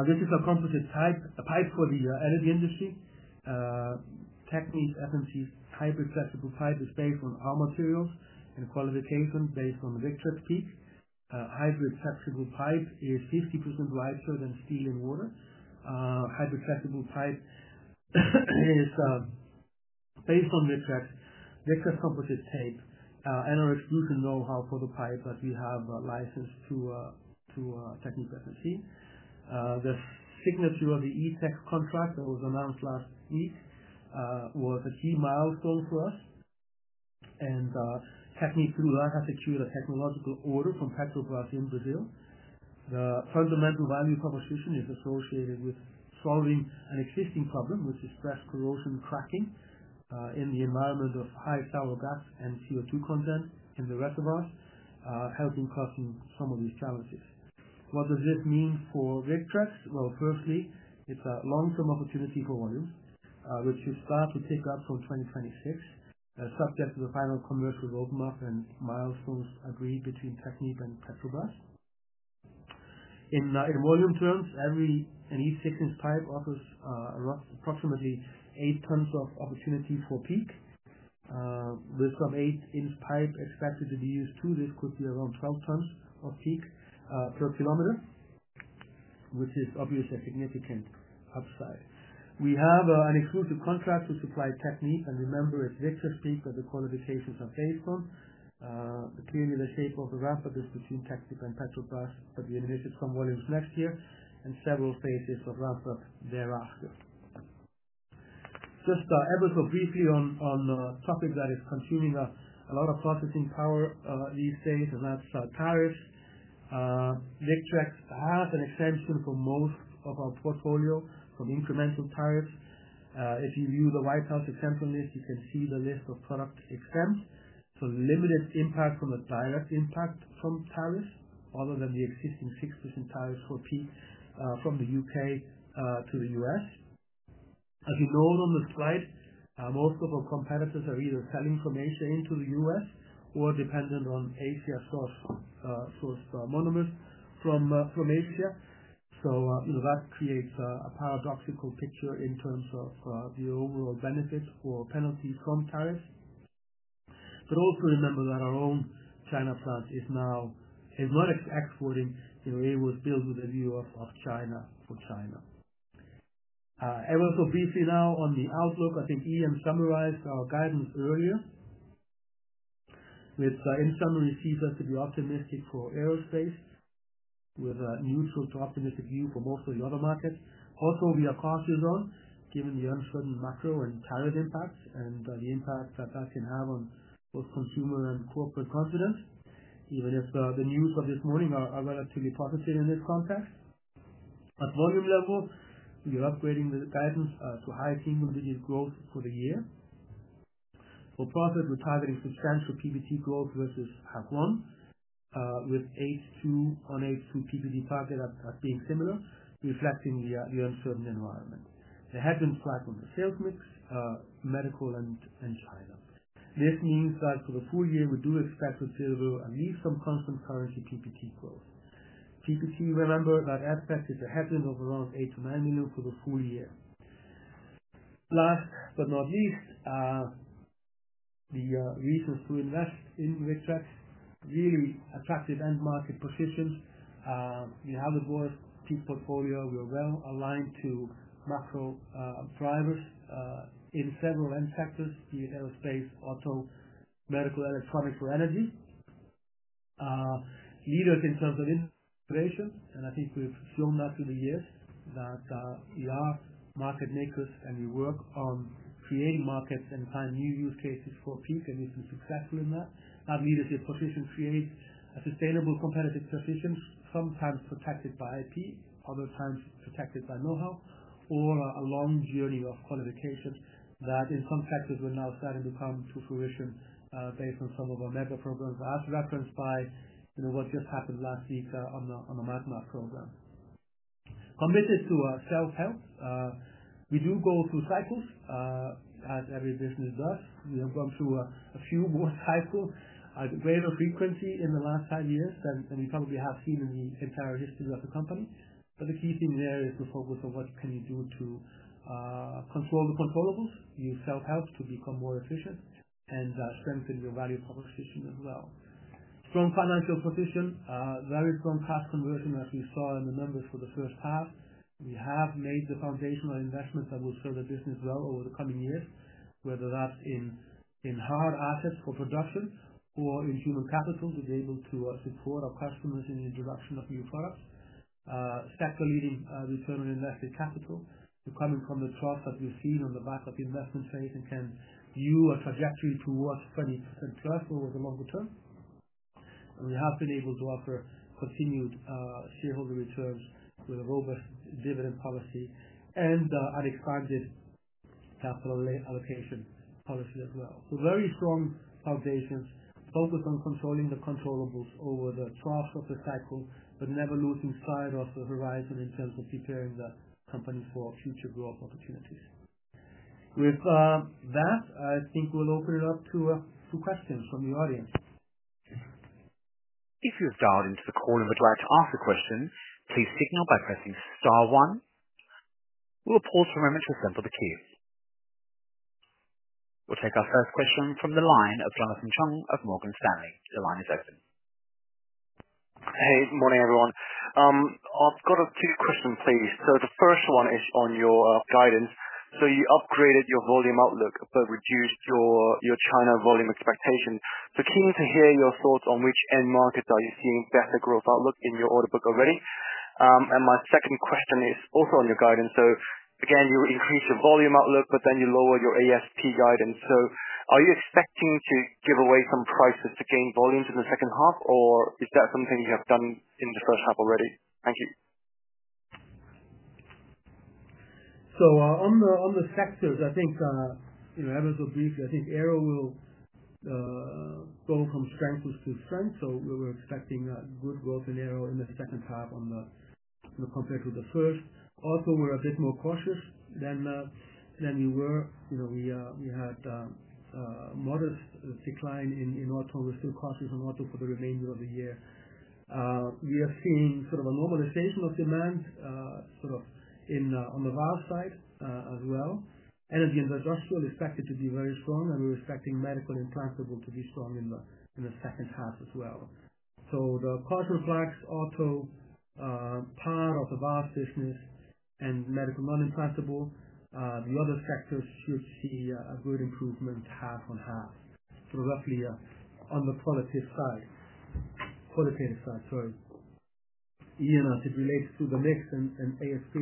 This is a composite pipe for the energy industry. Technique, efficiency, hybrid flexible pipe is based on our materials and qualification based on Victrex PEEK. Hybrid flexible pipe is 50% lighter than steel and water. Hybrid flexible pipe is based on Victrex, Victrex composite tape, and our extrusion know-how for the pipe that we have licensed to TechnipFMC. The signature of the ETEC contract that was announced last week was a key milestone for us. TechnipFMC through that has secured a technological order from Petrobras in Brazil. The fundamental value proposition is associated with solving an existing problem, which is stress corrosion cracking in the environment of high sour gas and CO2 content in the reservoirs, helping crossing some of these challenges. What does this mean for Victrex? Firstly, it is a long-term opportunity for volumes, which should start to pick up from 2026, subject to the final commercial roadmap and milestones agreed between TechnipFMC and Petrobras. In volume terms, an 8-inch pipe offers approximately 8 tons of opportunity for PEEK. With some 8-inch pipe expected to be used too, this could be around 12 tons of PEEK per kilometer, which is obviously a significant upside. We have an exclusive contract to supply TechnipFMC, and remember it's Victrex PEEK that the qualifications are based on. Clearly, the shape of the ramp-up is between TechnipFMC and Petrobras, but we initiate some volumes next year and several phases of ramp-up thereafter. Just briefly on a topic that is consuming a lot of processing power these days, and that's tariffs. Victrex has an exemption for most of our portfolio from incremental tariffs. If you view the White House exemption list, you can see the list of product exempts. Limited impact from a direct impact from tariffs, other than the existing 6% tariffs for PEEK from the U.K. to the U.S. As you note on the slide, most of our competitors are either selling from Asia into the U.S. or dependent on Asia-sourced monomers from Asia. That creates a paradoxical picture in terms of the overall benefits or penalties from tariffs. Also remember that our own China plant is now not exporting. It was built with a view of China for China. I will also briefly now on the outlook. I think Ian summarized our guidance earlier, which in summary sees us to be optimistic for aerospace, with a neutral to optimistic view for most of the other markets. Also, we are cautious on, given the uncertain macro and tariff impacts and the impact that that can have on both consumer and corporate confidence, even if the news of this morning are relatively positive in this context. At volume level, we are upgrading the guidance to high single-digit growth for the year. For profit, we're targeting substantial PBT growth versus half one, with an 8-2 PBT target being similar, reflecting the uncertain environment. There has been a flattening of the sales mix, medical and China. This means that for the full year, we do expect to deliver at least some constant currency PBT growth. PBT, remember, that aspect is a headwind of around 8 million-9 million for the full year. Last but not least, the reasons to invest in Victrex really attractive end market positions. We have the growth peak portfolio. We are well aligned to macro drivers in several end sectors, be it aerospace, auto, medical, electronics, or energy. Leaders in terms of innovation, and I think we've shown that through the years, that we are market makers and we work on creating markets and finding new use cases for PEEK and we've been successful in that. That leadership position creates a sustainable competitive position, sometimes protected by IP, other times protected by know-how, or a long journey of qualification that in some sectors we're now starting to come to fruition based on some of our mega programs as referenced by what just happened last week on the Magma program. Committed to self-help, we do go through cycles as every business does. We have gone through a few more cycles at a greater frequency in the last five years than we probably have seen in the entire history of the company. The key thing there is the focus of what can you do to control the controllables? Use self-help to become more efficient and strengthen your value proposition as well. Strong financial position, very strong cash conversion as we saw in the numbers for the first half. We have made the foundational investments that will serve the business well over the coming years, whether that's in hard assets for production or in human capital to be able to support our customers in the introduction of new products. Sector-leading return on invested capital, coming from the trough that we've seen on the back of the investment phase and can view a trajectory towards 20%+ over the longer term. We have been able to offer continued shareholder returns with a robust dividend policy and an expanded capital allocation policy as well. Very strong foundations, focus on controlling the controllables over the trough of the cycle, but never losing sight of the horizon in terms of preparing the company for future growth opportunities. With that, I think we'll open it up to questions from the audience. If you've dialed into the call and would like to ask a question, please signal by pressing star one. We'll pause for a moment to assemble the queue. We'll take our first question from the line of Jonathan Chung of Morgan Stanley. The line is open. Hey, good morning, everyone. I've got a few questions, please. The first one is on your guidance. You upgraded your volume outlook, but reduced your China volume expectation. Keen to hear your thoughts on which end markets are you seeing better growth outlook in your order book already. My second question is also on your guidance. Again, you increased your volume outlook, but then you lowered your ASP guidance. Are you expecting to give away some prices to gain volumes in the second half, or is that something you have done in the first half already? Thank you. On the sectors, I think, I will go briefly. I think Aero will go from strength to strength. We are expecting good growth in Aero in the second half compared to the first. Also, we are a bit more cautious than we were. We had a modest decline in auto. We are still cautious in auto for the remainder of the year. We are seeing sort of a normalization of demand sort of on the VAR side as well. Energy and industrial is expected to be very strong, and we are expecting medical implantable to be strong in the second half as well. The cost reflects auto part of the VAR business and medical non-implantable. The other sectors should see a good improvement half on half, sort of roughly on the qualitative side. Qualitative side, sorry. Ian, as it relates to the mix and ASP.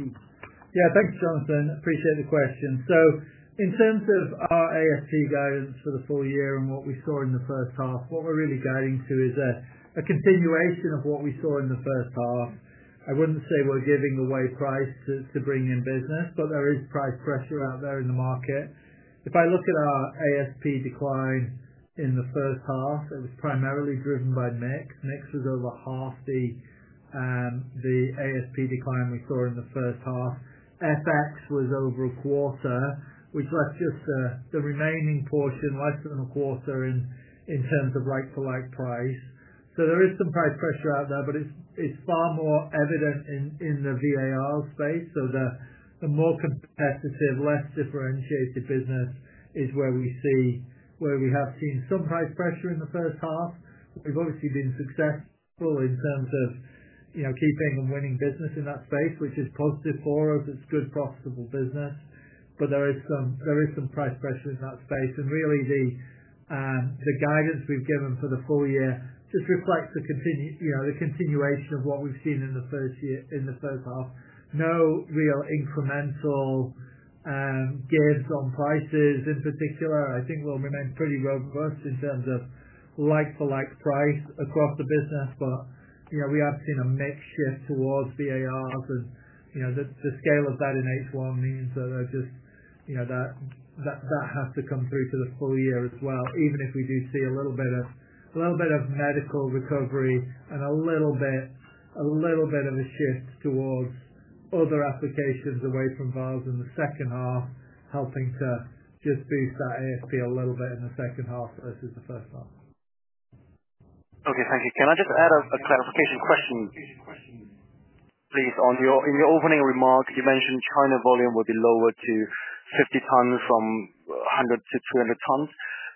Yeah, thanks, Jonathan. Appreciate the question. In terms of our ASP guidance for the full year and what we saw in the first half, what we're really guiding to is a continuation of what we saw in the first half. I wouldn't say we're giving away price to bring in business, but there is price pressure out there in the market. If I look at our ASP decline in the first half, it was primarily driven by mix. Mix was over half the ASP decline we saw in the first half. FX was over a quarter, which left just the remaining portion, less than a quarter in terms of like-for-like price. There is some price pressure out there, but it's far more evident in the VAR space. The more competitive, less differentiated business is where we have seen some price pressure in the first half. We've obviously been successful in terms of keeping and winning business in that space, which is positive for us. It's good, profitable business. There is some price pressure in that space. Really, the guidance we've given for the full year just reflects the continuation of what we've seen in the first half. No real incremental gains on prices in particular. I think we'll remain pretty robust in terms of like-for-like price across the business, but we have seen a mixed shift towards VARs. The scale of that in H1 means that just that has to come through to the full year as well. Even if we do see a little bit of medical recovery and a little bit of a shift towards other applications away from vials in the second half, helping to just boost that ASP a little bit in the second half versus the first half. Okay, thank you. Can I just add a clarification question, please? In your opening remark, you mentioned China volume will be lowered to 50 tons from 100-200 tons,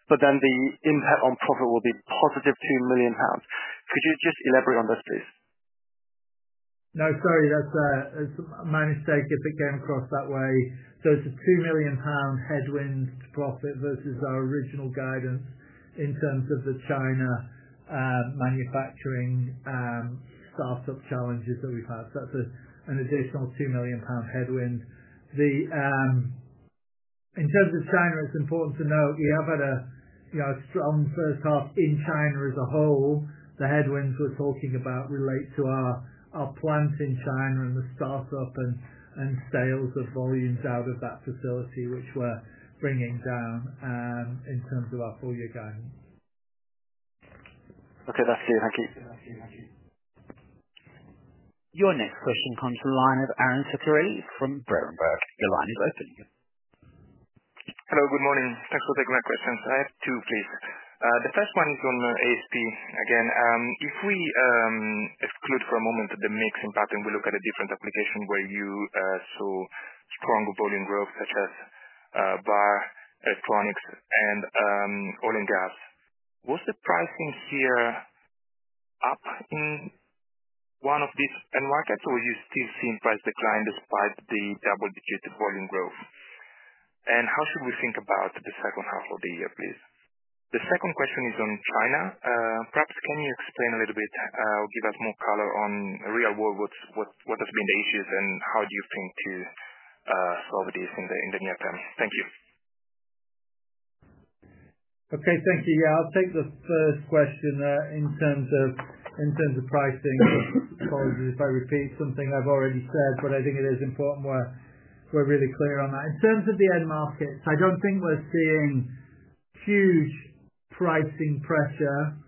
but then the impact on profit will be positive 2 million pounds. Could you just elaborate on this, please? No, sorry. That's my mistake if it came across that way. It is a 2 million pound headwind to profit versus our original guidance in terms of the China manufacturing startup challenges that we've had. That is an additional 2 million pound headwind. In terms of China, it's important to note we have had a strong first half in China as a whole. The headwinds we're talking about relate to our plant in China and the startup and sales of volumes out of that facility, which we're bringing down in terms of our full year guidance. Okay, that's clear. Thank you. Your next question comes from the line of Aaron Succari from Brettonburg. Your line is open. Hello, good morning. Thanks for taking my questions. I have two, please. The first one is on ASP again. If we exclude for a moment the mixing pattern, we look at a different application where you saw strong volume growth such as bar electronics and oil and gas. Was the pricing here up in one of these end markets, or were you still seeing price decline despite the double-digit volume growth? How should we think about the second half of the year, please? The second question is on China. Perhaps can you explain a little bit or give us more color on real-world what has been the issues and how do you think to solve this in the near term? Thank you. Okay, thank you. Yeah, I'll take the first question in terms of pricing. Apologies if I repeat something I've already said, but I think it is important. We're really clear on that. In terms of the end markets, I don't think we're seeing huge pricing pressure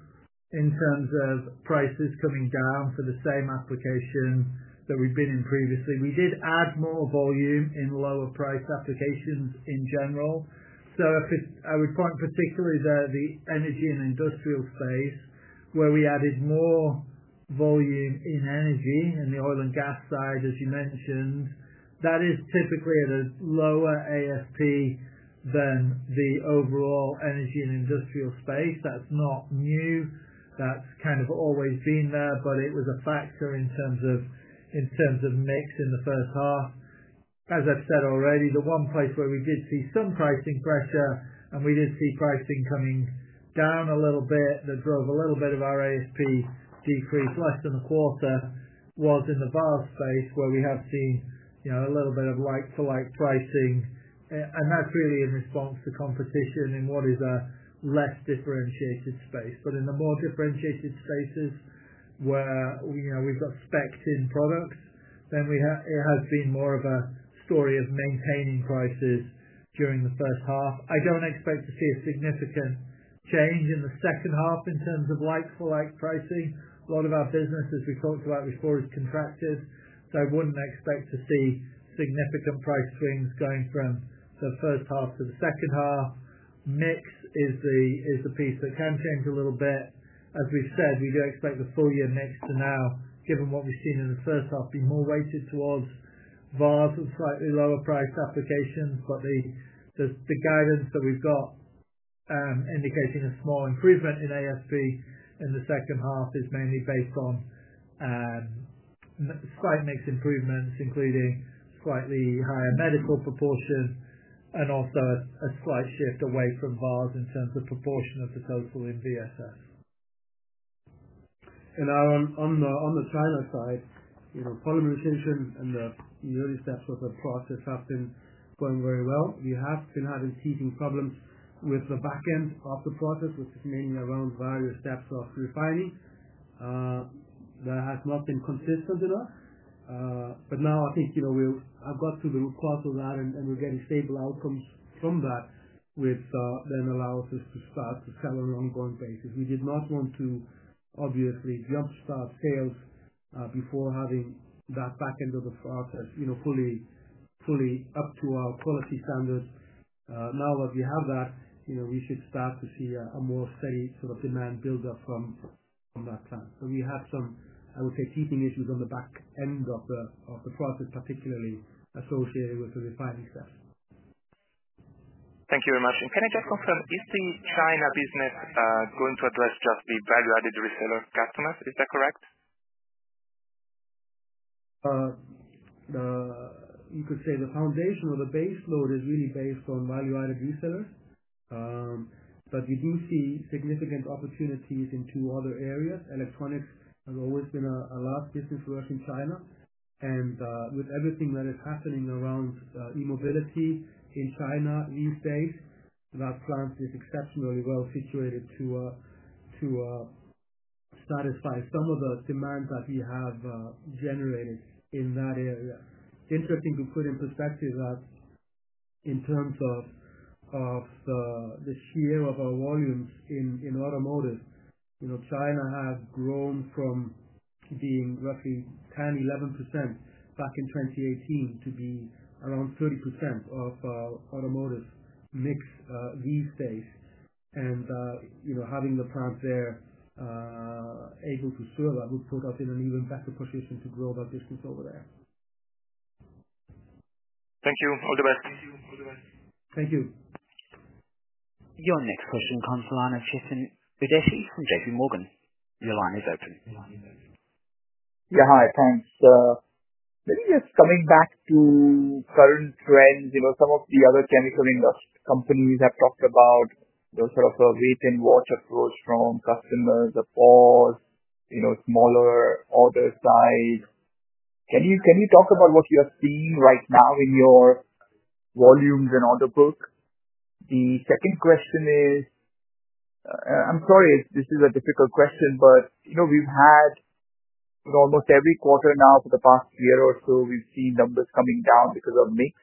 in terms of prices coming down for the same application that we've been in previously. We did add more volume in lower-priced applications in general. I would point particularly to the energy and industrial space where we added more volume in energy and the oil and gas side, as you mentioned. That is typically at a lower ASP than the overall energy and industrial space. That's not new. That's kind of always been there, but it was a factor in terms of mix in the first half. As I've said already, the one place where we did see some pricing pressure and we did see pricing coming down a little bit that drove a little bit of our ASP decrease, less than a quarter, was in the vial space where we have seen a little bit of like-for-like pricing. That is really in response to competition in what is a less differentiated space. In the more differentiated spaces where we've got specced-in products, it has been more of a story of maintaining prices during the first half. I do not expect to see a significant change in the second half in terms of like-for-like pricing. A lot of our business, as we talked about before, is contracted. I would not expect to see significant price swings going from the first half to the second half. Mix is the piece that can change a little bit. As we've said, we do expect the full-year mix to now, given what we've seen in the first half, be more weighted towards vials and slightly lower-priced applications. The guidance that we've got indicating a small improvement in ASP in the second half is mainly based on slight mix improvements, including slightly higher medical proportion and also a slight shift away from vials in terms of proportion of the total in VSS. Aaron, on the China side, polymerization and the early steps of the process have been going very well. We have been having teething problems with the backend of the process, which is mainly around various steps of refining. That has not been consistent enough. Now I think we've got through the root cause of that, and we're getting stable outcomes from that, which then allows us to start to sell on an ongoing basis. We did not want to obviously jump-start sales before having that backend of the process fully up to our quality standards. Now that we have that, we should start to see a more steady sort of demand build-up from that plant. We have some, I would say, teething issues on the backend of the process, particularly associated with the refining steps. Thank you very much. Can I just confirm, is the China business going to address just the value-added reseller customers? Is that correct? You could say the foundation or the baseload is really based on value-added resellers. We do see significant opportunities in two other areas. Electronics has always been a large business for us in China. With everything that is happening around e-mobility in China these days, that plant is exceptionally well situated to satisfy some of the demand that we have generated in that area. It is interesting to put in perspective that in terms of the share of our volumes in automotive, China has grown from being roughly 10%-11% back in 2018 to be around 30% of our automotive mix these days. Having the plant there able to serve that would put us in an even better position to grow that business over there. Thank you. All the best. Thank you. All the best. Thank you. Your next question comes from Lana Chiffin Budesi from J.P. Morgan. Your line is open. Yeah, hi. Thanks. Maybe just coming back to current trends, some of the other chemical industry companies have talked about sort of a wait-and-watch approach from customers, a pause, smaller order size. Can you talk about what you're seeing right now in your volumes and order book? The second question is, I'm sorry, this is a difficult question, but we've had almost every quarter now for the past year or so, we've seen numbers coming down because of mix.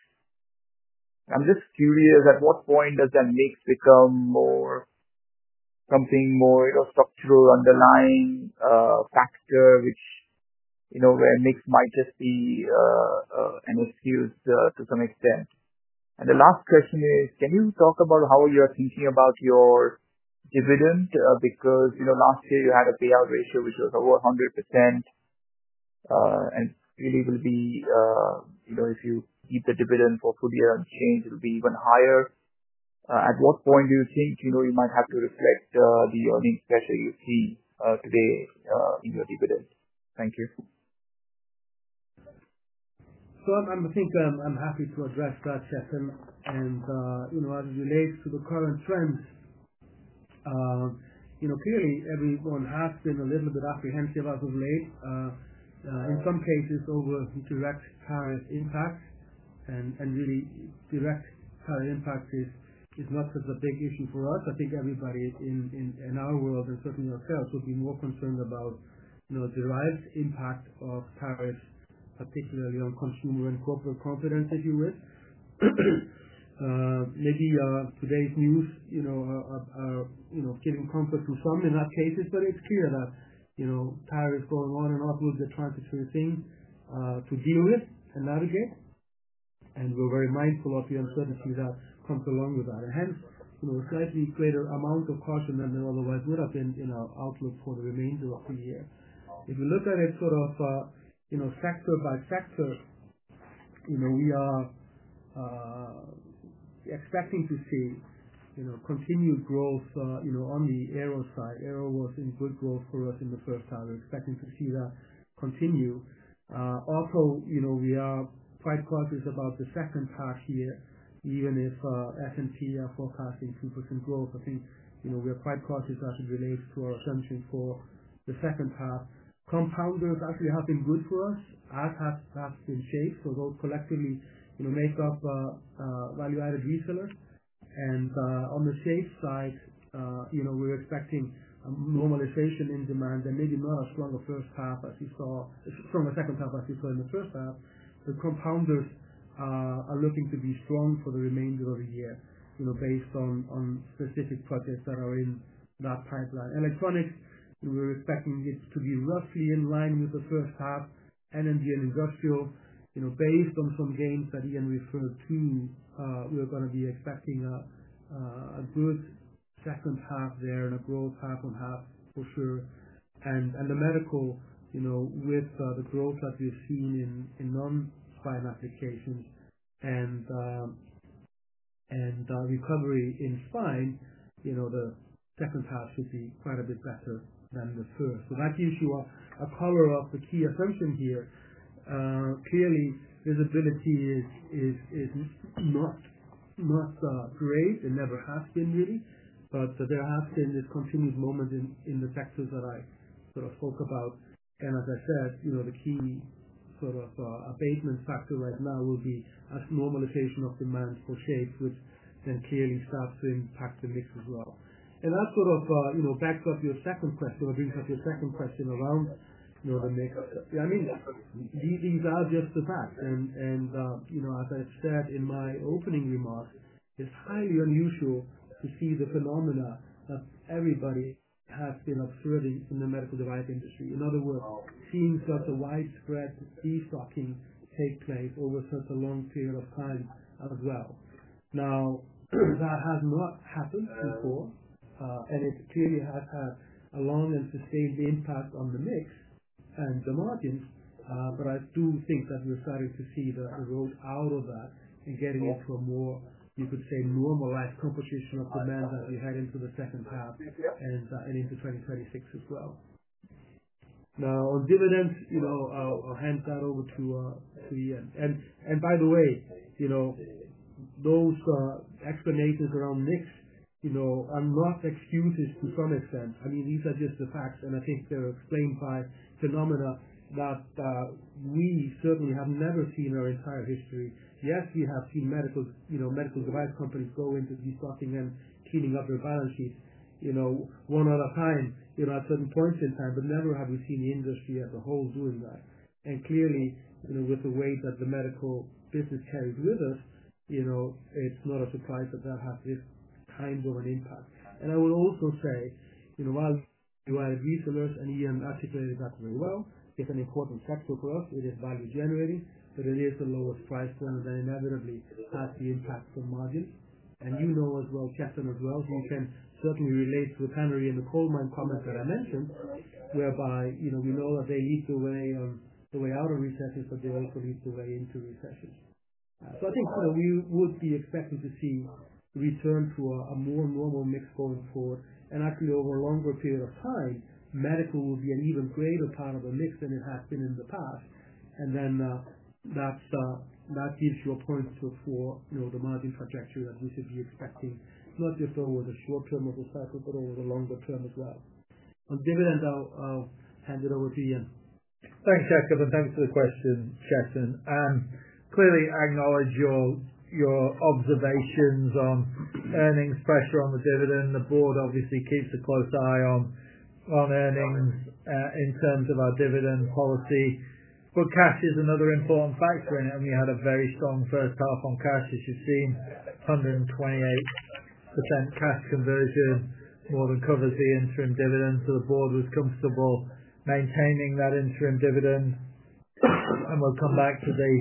I'm just curious, at what point does that mix become something more structural underlying factor, where mix might just be an excuse to some extent? The last question is, can you talk about how you're thinking about your dividend? Because last year you had a payout ratio which was over 100%, and it really will be if you keep the dividend for full year unchanged, it will be even higher. At what point do you think you might have to reflect the earnings that you see today in your dividend? Thank you. I think I'm happy to address that, Chiffin, and as it relates to the current trends, clearly everyone has been a little bit apprehensive as of late. In some cases, over direct tariff impacts, and really direct tariff impact is not such a big issue for us. I think everybody in our world and certainly ourselves would be more concerned about the direct impact of tariffs, particularly on consumer and corporate confidence, if you wish. Maybe today's news are giving comfort to some in that case, but it's clear that tariffs going on and off will be a transitory thing to deal with and navigate. We're very mindful of the uncertainty that comes along with that, and hence a slightly greater amount of caution than there otherwise would have been in our outlook for the remainder of the year. If you look at it sort of sector by sector, we are expecting to see continued growth on the aero side. Aero was in good growth for us in the first half. We're expecting to see that continue. Also, we are quite cautious about the second half here, even if S&P are forecasting 2% growth. I think we are quite cautious as it relates to our assumptions for the second half. Compounders actually have been good for us. As has been shape. So those collectively make up value-added resellers. And on the shape side, we're expecting normalization in demand and maybe not as strong a second half as we saw in the first half. The compounders are looking to be strong for the remainder of the year based on specific projects that are in that pipeline. Electronics, we're expecting it to be roughly in line with the first half. In the industrial, based on some gains that Ian referred to, we're going to be expecting a good second half there and a growth half on half for sure. In the medical, with the growth that we've seen in non-spine applications and recovery in spine, the second half should be quite a bit better than the first. That gives you a color of the key assumption here. Clearly, visibility is not great. It never has been really. There has been this continuous moment in the sectors that I sort of spoke about. As I said, the key sort of abatement factor right now will be a normalization of demand for shapes, which then clearly starts to impact the mix as well. That sort of backs up your second question or brings up your second question around the mix. I mean, these are just the facts. As I said in my opening remarks, it is highly unusual to see the phenomena that everybody has been observing in the medical device industry. In other words, seeing such a widespread destocking take place over such a long period of time as well. That has not happened before, and it clearly has had a long and sustained impact on the mix and the margins. I do think that we are starting to see the growth out of that and getting into a more, you could say, normalized composition of demand that we had into the second half and into 2026 as well. On dividends, I will hand that over to Ian. By the way, those explanations around mix are not excuses to some extent. I mean, these are just the facts. I think they're explained by phenomena that we certainly have never seen in our entire history. Yes, we have seen medical device companies go into destocking and cleaning up their balance sheets one other time at certain points in time, but never have we seen the industry as a whole doing that. Clearly, with the weight that the medical business carries with us, it's not a surprise that that has this kind of an impact. I would also say, while you added resellers, and Ian articulated that very well, it's an important sector for us. It is value-generating, but it is the lowest price point, and then inevitably has the impact on margins. You know as well, Chiffin as well, who can certainly relate to the canary in the coal mine comments that I mentioned, whereby we know that they lead the way out of recessions, but they also lead the way into recessions. I think we would be expecting to see a return to a more normal mix going forward. Actually, over a longer period of time, medical will be an even greater part of the mix than it has been in the past. That gives you a point for the margin trajectory that we should be expecting, not just over the short term of the cycle, but over the longer term as well. On dividends, I'll hand it over to Ian. Thanks, Jakob. Thanks for the question, Chiffin. Clearly, I acknowledge your observations on earnings pressure on the dividend. The board obviously keeps a close eye on earnings in terms of our dividend policy. Cash is another important factor in it. We had a very strong first half on cash, as you've seen. 128% cash conversion more than covers the interim dividend. The board was comfortable maintaining that interim dividend. We'll come back to the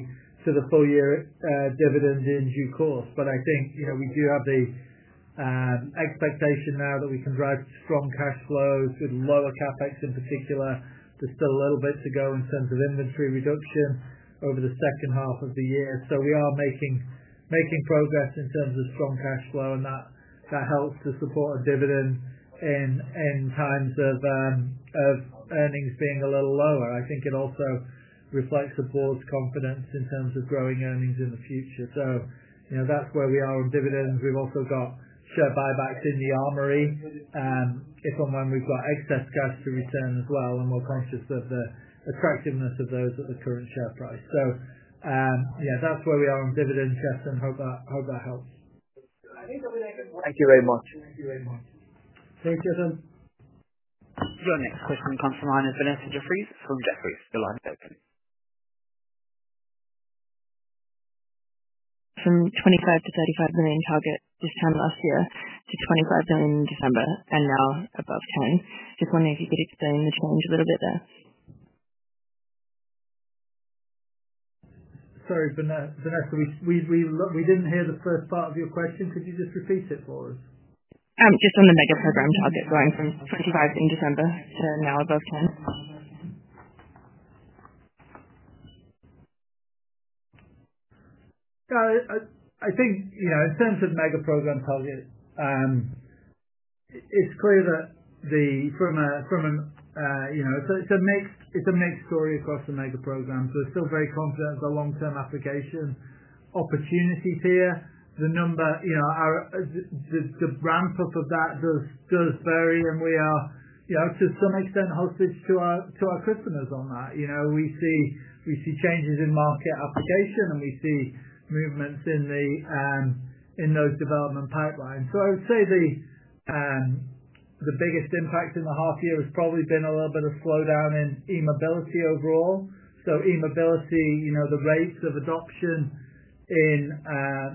full-year dividend in due course. I think we do have the expectation now that we can drive strong cash flows with lower CapEx in particular. There's still a little bit to go in terms of inventory reduction over the second half of the year. We are making progress in terms of strong cash flow, and that helps to support a dividend in times of earnings being a little lower. I think it also reflects the board's confidence in terms of growing earnings in the future. That is where we are on dividends. We have also got share buybacks in the armory. It is on when we have got excess cash to return as well, and we are conscious of the attractiveness of those at the current share price. That is where we are on dividends, Chiffin. Hope that helps. Thank you very much. Thank you, Chiffin. Your next question comes from Vanessa Jeffriess from Jefferies. The line is open. From 25 million-35 million target this time last year to 25 million in December, and now above 10 million. Just wondering if you could explain the change a little bit there. Sorry, Vanessa, we did not hear the first part of your question. Could you just repeat it for us? Just on the mega program target going from 25 in December to now above 10. I think in terms of mega program target, it's clear that from a—it's a mixed story across the mega program. We're still very confident of the long-term application opportunities here. The number, the ramp-up of that does vary, and we are to some extent hostage to our customers on that. We see changes in market application, and we see movements in those development pipelines. I would say the biggest impact in the half year has probably been a little bit of slowdown in e-mobility overall. E-mobility, the rates of adoption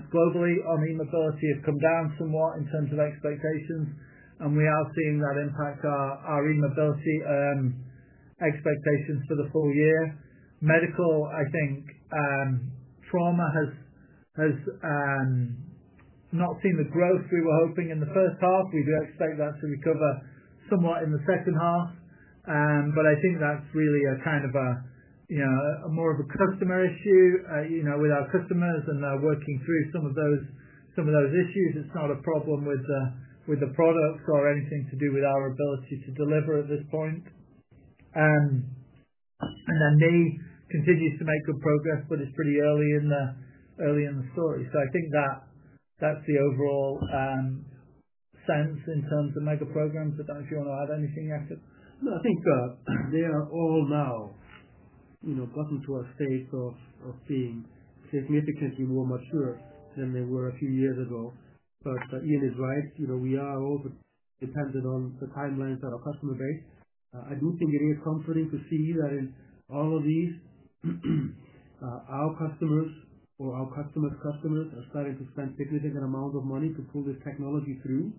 globally on e-mobility have come down somewhat in terms of expectations. We are seeing that impact our e-mobility expectations for the full year. Medical, I think trauma has not seen the growth we were hoping in the first half. We do expect that to recover somewhat in the second half. I think that's really a kind of a more of a customer issue with our customers and working through some of those issues. It's not a problem with the products or anything to do with our ability to deliver at this point. They continue to make good progress, but it's pretty early in the story. I think that's the overall sense in terms of mega programs. I don't know if you want to add anything yet. I think they are all now gotten to a state of being significantly more mature than they were a few years ago. Ian is right. We are also dependent on the timelines that our customer base. I do think it is comforting to see that in all of these, our customers or our customers' customers are starting to spend significant amounts of money to pull this technology through.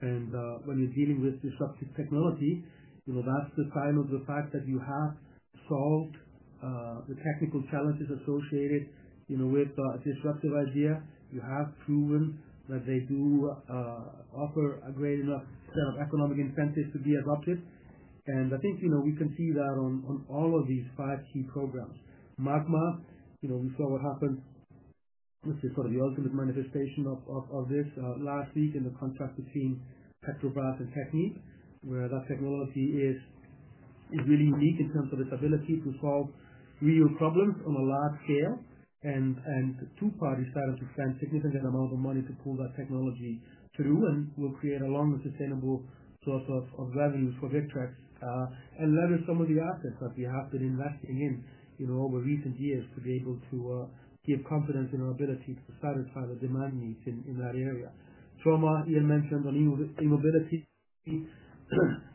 When you are dealing with disruptive technology, that is the sign of the fact that you have solved the technical challenges associated with a disruptive idea. You have proven that they do offer a great enough set of economic incentives to be adopted. I think we can see that on all of these five key programs. Magma, we saw what happened. This is sort of the ultimate manifestation of this last week in the contract between Petrobras and TechnipFMC, where that technology is really unique in terms of its ability to solve real problems on a large scale. Two parties started to spend significant amounts of money to pull that technology through and will create a long and sustainable source of revenues for Victrex and leverage some of the assets that we have been investing in over recent years to be able to give confidence in our ability to satisfy the demand needs in that area. Trauma, Ian mentioned on e-mobility.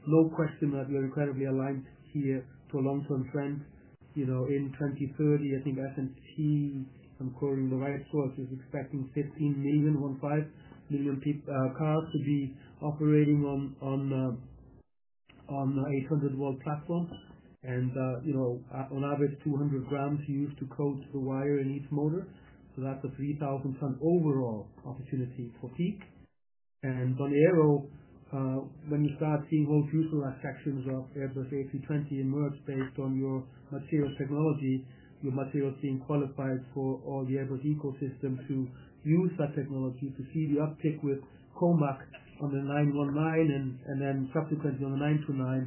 No question that we are incredibly aligned here to a long-term trend. In 2030, I think S&P Global, I am quoting the right sources, is expecting 15 million, 1.5 million cars to be operating on 800-volt platforms. On average, 200 grams used to coat the wire in each motor. That is a 3,000-ton overall opportunity for PEEK. On Aero, when you start seeing whole fuselage sections of Airbus A320 emerge based on your material technology, your material team qualified for all the Airbus ecosystem to use that technology to see the uptick with Comac on the 919 and then subsequently on the 929.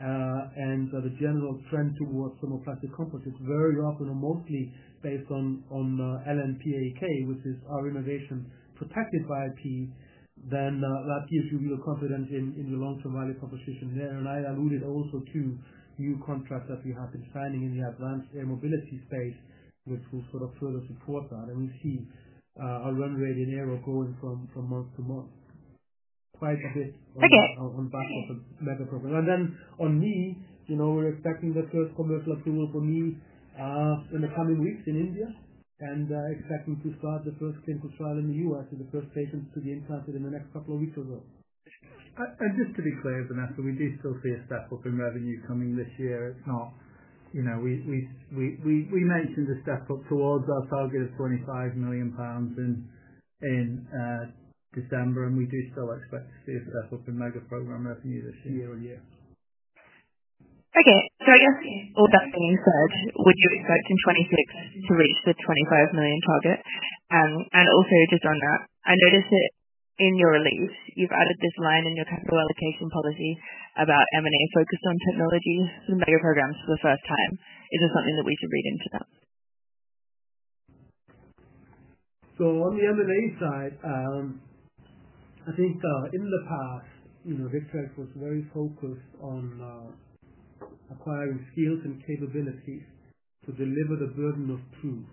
The general trend towards thermoplastic composites is very often or mostly based on LNP PAEK, which is our innovation protected by IP, then that gives you real confidence in your long-term value proposition there. I alluded also to new contracts that we have been signing in the advanced air mobility space, which will sort of further support that. We see our run rate in Aero going from month to month quite a bit on behalf of the Magma program. We're expecting the first commercial approval for me in the coming weeks in India and expecting to start the first clinical trial in the U.S. with the first patients to be implanted in the next couple of weeks or so. Just to be clear, Vanessa, we do still see a step-up in revenue coming this year. It's not we mentioned a step-up towards our target of 25 million pounds in December, and we do still expect to see a step-up in mega program revenue this year on year. Okay. I guess all that being said, would you expect in 2026 to reach the 25 million target? Also, just on that, I noticed that in your release, you've added this line in your capital allocation policy about M&A focused on technology for the mega programs for the first time. Is there something that we should read into that? On the M&A side, I think in the past, Victrex was very focused on acquiring skills and capabilities to deliver the burden of proof.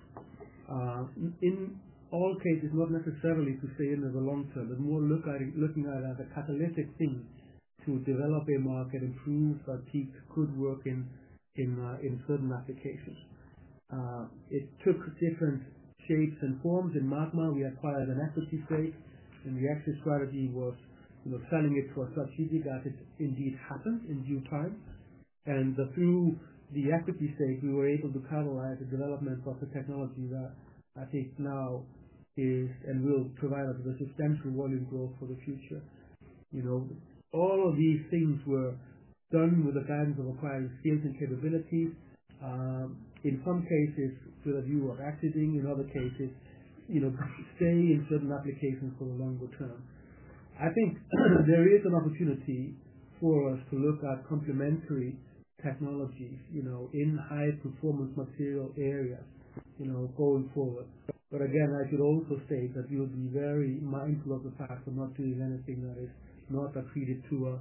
In all cases, not necessarily to stay in the long term. It is more looking at it as a catalytic thing to develop a market, improve PEEK's good work in certain applications. It took different shapes and forms. In Magma, we acquired an equity stake, and the exit strategy was selling it to a strategy that indeed happened in due time. Through the equity stake, we were able to catalyze the development of the technology that I think now is and will provide us with substantial volume growth for the future. All of these things were done with the guidance of acquiring skills and capabilities, in some cases with a view of exiting, in other cases staying in certain applications for the longer term. I think there is an opportunity for us to look at complementary technologies in high-performance material areas going forward. I should also state that we will be very mindful of the fact of not doing anything that is not attributed to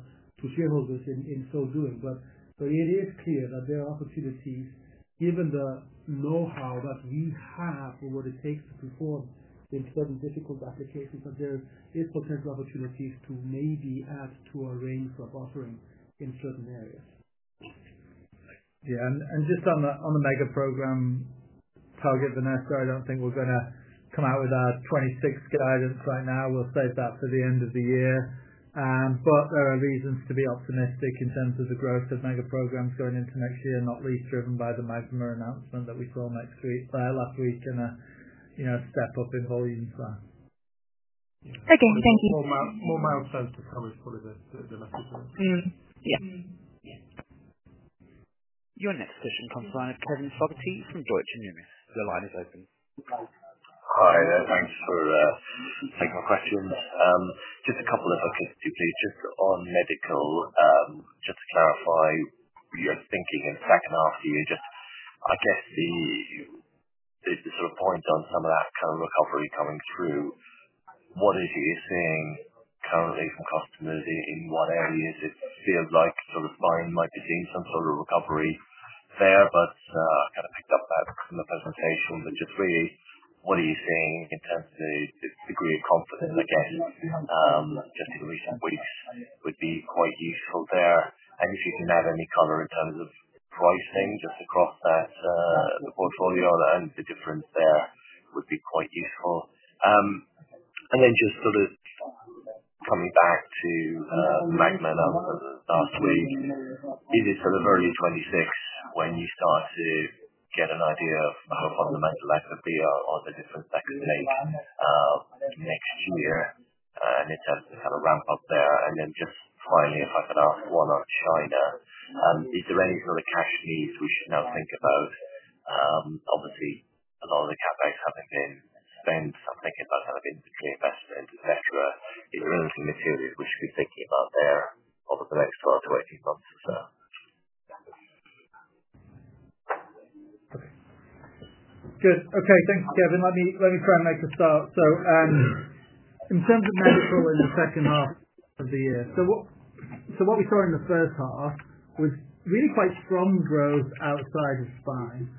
shareholders in so doing. It is clear that there are opportunities, given the know-how that we have for what it takes to perform in certain difficult applications, that there is potential opportunities to maybe add to our range of offering in certain areas. Yeah. And just on the mega program target, Vanessa, I do not think we are going to come out with a 2026 guidance right now. We will save that for the end of the year. There are reasons to be optimistic in terms of the growth of mega programs going into next year, not least driven by the Magma announcement that we saw last week in a step-up in volume plan. Okay. Thank you. More mild tone to coverage, probably the message. Yeah. Your next question comes to the line of Kevin Fogarty from Deutsche Numis. The line is open. Hi. Thanks for taking my questions. Just a couple of quick questions, please. Just on medical, just to clarify your thinking in second half here, just I guess the sort of point on some of that kind of recovery coming through, what is it you're seeing currently from customers in what areas it feels like sort of might be seeing some sort of recovery there? I kind of picked up that from the presentation. Just really, what are you seeing in terms of the degree of confidence, I guess, just in recent weeks would be quite useful there. If you can add any color in terms of pricing just across the portfolio and the difference there would be quite useful. Just sort of coming back to Magma last week, is it sort of early 2026 when you start to get an idea of how fundamental that could be or the difference that could make next year in terms of kind of ramp-up there? Finally, if I could ask one on China, is there any sort of cash needs we should now think about? Obviously, a lot of the CapEx having been spent, I'm thinking about kind of inventory investment, etc. Is there anything material we should be thinking about there over the next 12 to 18 months or so? Good. Okay. Thanks, Kevin. Let me try and make a start. In terms of medical in the second half of the year, what we saw in the first half was really quite strong growth outside of spine.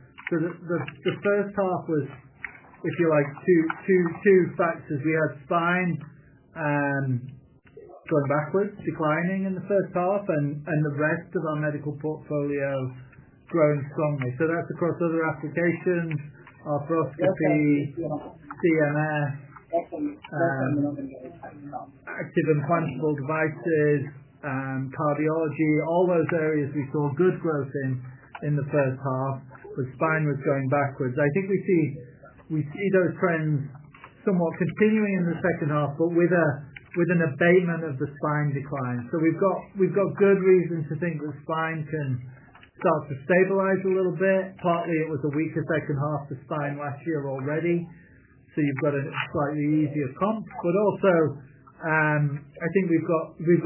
The first half was, if you like, two factors. We had spine going backwards, declining in the first half, and the rest of our medical portfolio growing strongly. That is across other applications, arthroscopy, CMS, active and implantable devices, cardiology. All those areas we saw good growth in in the first half, but spine was going backwards. I think we see those trends somewhat continuing in the second half, but with an abatement of the spine decline. We have good reason to think that spine can start to stabilize a little bit. Partly, it was a weaker second half to spine last year already. You have got a slightly easier comp. I think we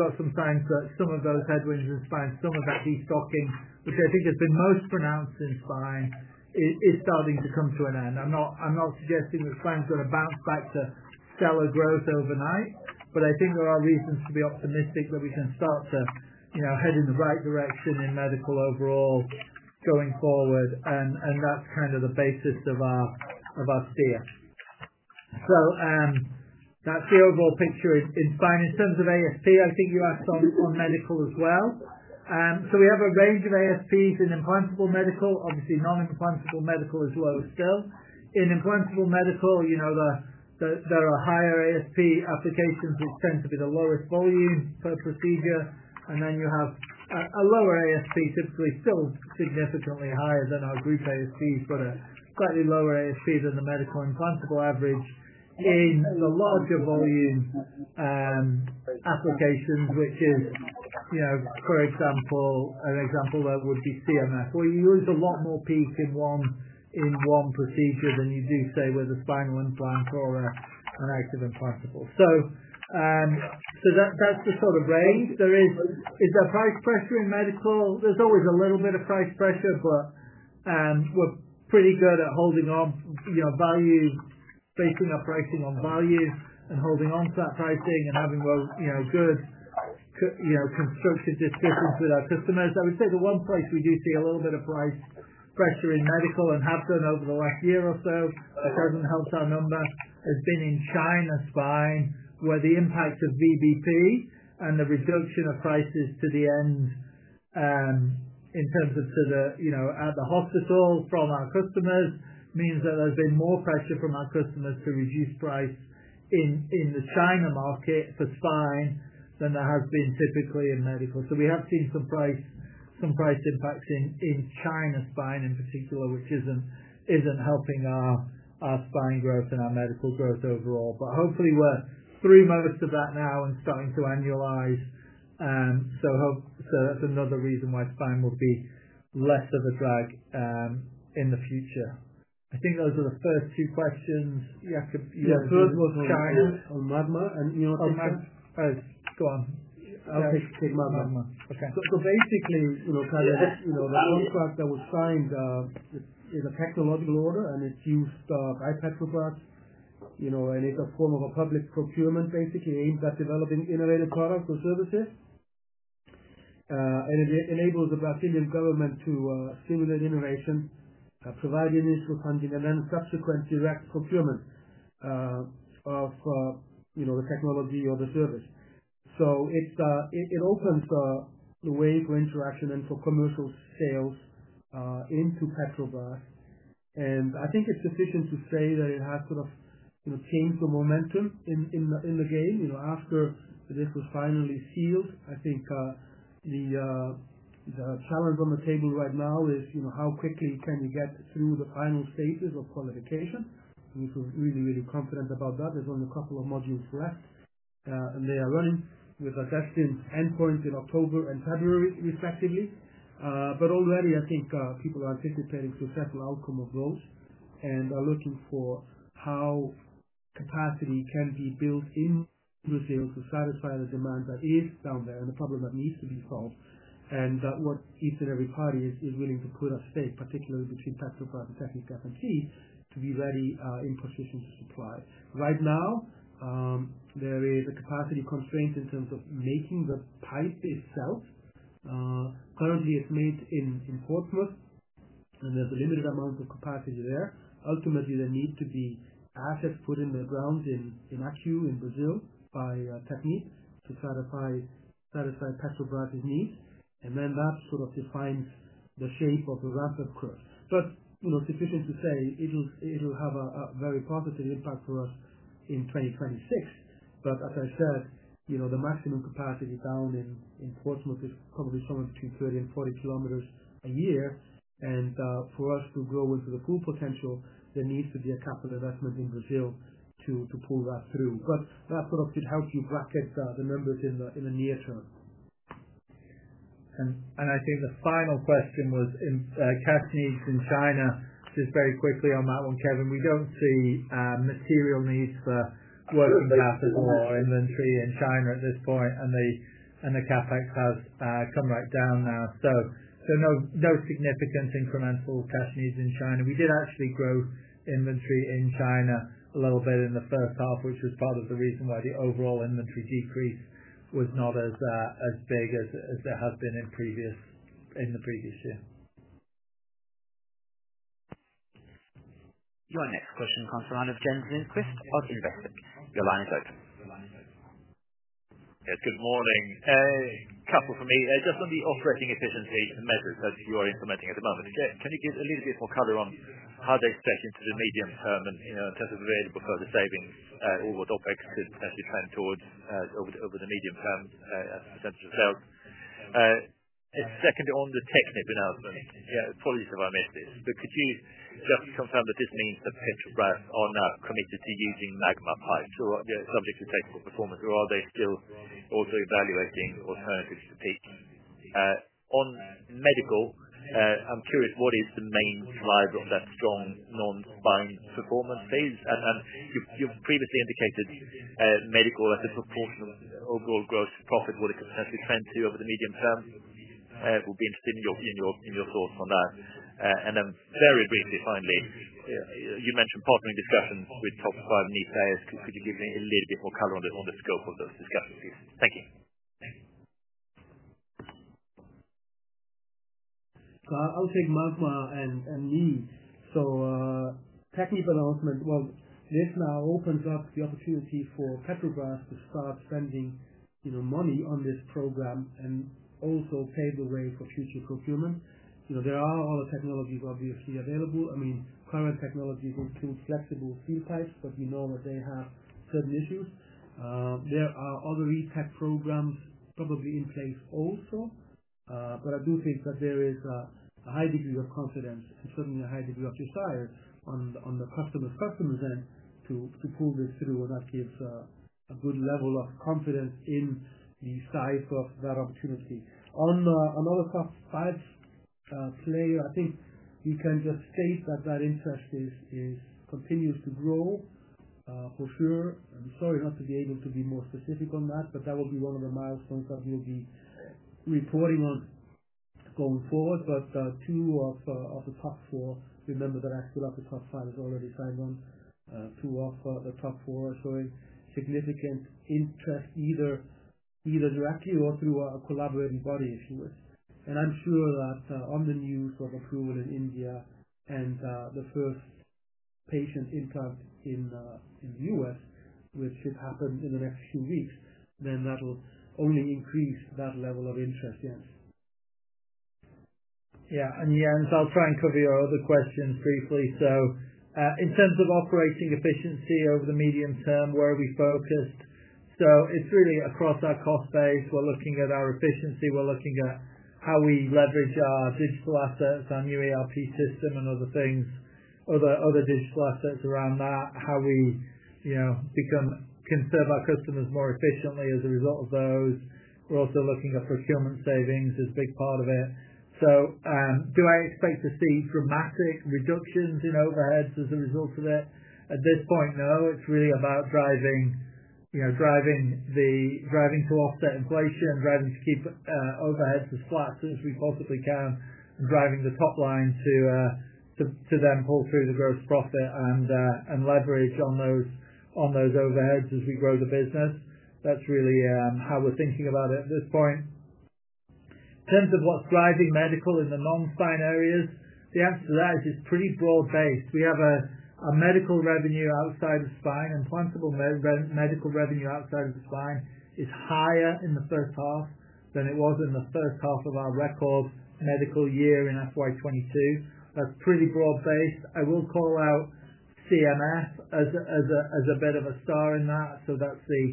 have some signs that some of those headwinds in spine, some of that destocking, which I think has been most pronounced in spine, is starting to come to an end. I am not suggesting that spine is going to bounce back to stellar growth overnight, but I think there are reasons to be optimistic that we can start to head in the right direction in medical overall going forward. That is kind of the basis of our steer. That is the overall picture in spine. In terms of ASP, I think you asked on medical as well. We have a range of ASPs in implantable medical. Obviously, non-implantable medical is low still. In implantable medical, there are higher ASP applications which tend to be the lowest volume per procedure. You have a lower ASP, typically still significantly higher than our group ASPs, but a slightly lower ASP than the medical implantable average in the larger volume applications, which is, for example, an example that would be CMS, where you use a lot more PEEK in one procedure than you do, say, with a spinal implant or an active implantable. That is the sort of range. Is there price pressure in medical? There is always a little bit of price pressure, but we are pretty good at holding on, basing our pricing on value and holding on to that pricing and having good constructive discussions with our customers. I would say the one place we do see a little bit of price pressure in medical and have done over the last year or so, it does not help our number, has been in China spine, where the impact of VBP and the reduction of prices to the end in terms of to the at the hospital from our customers means that there has been more pressure from our customers to reduce price in the China market for spine than there has been typically in medical. We have seen some price impacts in China spine in particular, which is not helping our spine growth and our medical growth overall. Hopefully, we are through most of that now and starting to annualize. That is another reason why spine will be less of a drag in the future. I think those are the first two questions. Yeah, first was China and Magma. You know what I think? Oh, Magma. Go on. I think Magma. Okay. Basically, Kevin, the contract that was signed is a technological order, and it is used by Petrobras. It is a form of public procurement, basically aimed at developing innovative products or services. It enables the Brazilian government to stimulate innovation, provide initial funding, and then subsequent direct procurement of the technology or the service. It opens the way for interaction and for commercial sales into Petrobras. I think it is sufficient to say that it has sort of changed the momentum in the game. After this was finally sealed, I think the challenge on the table right now is how quickly you can get through the final stages of qualification. We feel really, really confident about that. There are only a couple of modules left, and they are running with a testing endpoint in October and February, respectively. Already, I think people are anticipating successful outcome of those and are looking for how capacity can be built in Brazil to satisfy the demand that is down there and the problem that needs to be solved. That is what each and every party is willing to put at stake, particularly between Petrobras and TechnipFMC, to be ready in position to supply. Right now, there is a capacity constraint in terms of making the pipe itself. Currently, it is made in Portsmouth, and there is a limited amount of capacity there. Ultimately, there need to be assets put in the ground in Accu in Brazil by Technip to satisfy Petrobras' needs. That sort of defines the shape of the ramp-up curve. It is sufficient to say it will have a very positive impact for us in 2026. As I said, the maximum capacity down in Portsmouth is probably somewhere between 30-40 km a year. For us to grow into the full potential, there needs to be a capital investment in Brazil to pull that through. That should help you bracket the numbers in the near term. I think the final question was tech needs in China. Just very quickly on that one, Kevin, we do not see material needs for working capital or inventory in China at this point, and the CapEx has come right down now. No significant incremental tech needs in China. We did actually grow inventory in China a little bit in the first half, which was part of the reason why the overall inventory decrease was not as big as it has been in the previous year. Your next question comes from one of Gentleman's Quest of Investing. Your line is open. Yes, good morning. A couple for me. Just on the operating efficiency measures that you are implementing at the moment, can you give a little bit more color on how they're expected to the medium term and in terms of available further savings or what OpEx could actually trend towards over the medium term as a percentage of sales? Second, on the Technip announcement, yeah, apologies if I missed this, but could you just confirm that this means that Petrobras are now committed to using Magma pipes or subject to technical performance, or are they still also evaluating alternatives to PEEK? On medical, I'm curious, what is the main driver of that strong non-spine performance phase? And you previously indicated medical as a proportion of overall gross profit, what it could potentially trend to over the medium term. We'll be interested in your thoughts on that. Very briefly, finally, you mentioned partnering discussions with top five need players. Could you give me a little bit more color on the scope of those discussions? Thank you. I'll take Magma and me. Technip announcement, this now opens up the opportunity for Petrobras to start spending money on this program and also pave the way for future procurement. There are other technologies, obviously, available. I mean, current technologies include flexible steel pipes, but we know that they have certain issues. There are other ETEC programs probably in place also. I do think that there is a high degree of confidence and certainly a high degree of desire on the customer's end to pull this through, and that gives a good level of confidence in the size of that opportunity. On other top five players, I think we can just state that that interest continues to grow, for sure. I'm sorry not to be able to be more specific on that, but that will be one of the milestones that we'll be reporting on going forward. Two of the top four, remember that actually the top five is already signed on. Two of the top four are showing significant interest either directly or through a collaborating body, if you wish. I'm sure that on the news of approval in India and the first patient implant in the U.S., which should happen in the next few weeks, that will only increase that level of interest, yes. Yeah. Yeah, so I'll try and cover your other questions briefly. In terms of operating efficiency over the medium term, where are we focused? It's really across our cost base. We're looking at our efficiency. We're looking at how we leverage our digital assets, our new ERP system and other things, other digital assets around that, how we can serve our customers more efficiently as a result of those. We're also looking at procurement savings as a big part of it. Do I expect to see dramatic reductions in overheads as a result of it? At this point, no. It's really about driving to offset inflation, driving to keep overheads as flat as we possibly can, and driving the top line to then pull through the gross profit and leverage on those overheads as we grow the business. That's really how we're thinking about it at this point. In terms of what's driving medical in the non-spine areas, the answer to that is it's pretty broad-based. We have a medical revenue outside of spine and implantable medical revenue outside of spine is higher in the first half than it was in the first half of our record medical year in FY 2022. That's pretty broad-based. I will call out CMS as a bit of a star in that. That's the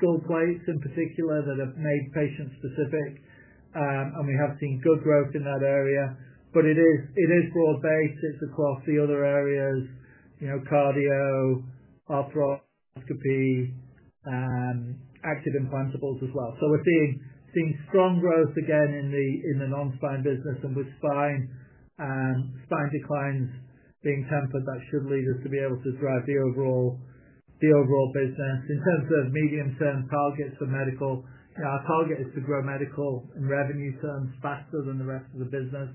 skull plates in particular that are made patient-specific, and we have seen good growth in that area. It is broad-based. It's across the other areas, cardio, arthroscopy, active implantables as well. We're seeing strong growth again in the non-spine business, and with spine declines being tempered, that should lead us to be able to drive the overall business. In terms of medium-term targets for medical, our target is to grow medical in revenue terms faster than the rest of the business,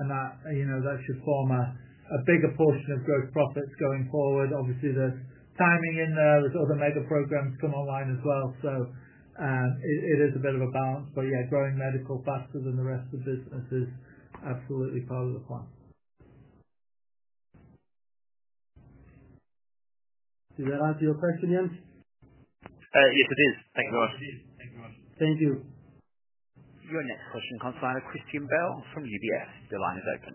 and that should form a bigger portion of gross profits going forward. Obviously, there's timing in there. There are other mega programs come online as well. It is a bit of a balance. Yeah, growing medical faster than the rest of the business is absolutely part of the plan. Did that answer your question, Jens? Yes, it is. Thank you very much. Yes, it is. Thank you very much. Thank you. Your next question comes via Christian Bell from UBS. The line is open.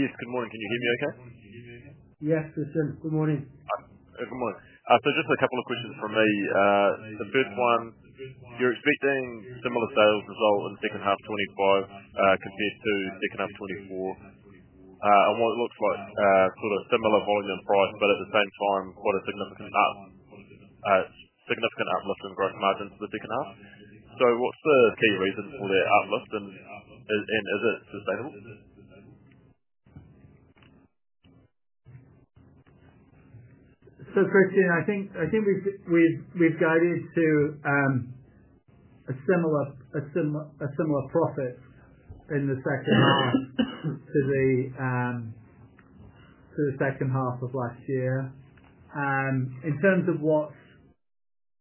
Yes, good morning. Can you hear me okay? Yes, good morning. Good morning. Good morning. Just a couple of questions from me. The first one, you're expecting similar sales result in second half 2025 compared to second half 2024, and what it looks like, sort of similar volume and price, but at the same time, quite a significant uplift in gross margin for the second half. What's the key reason for the uplift, and is it sustainable?, I think we've guided to a similar profit in the second half to the second half of last year. In terms of what's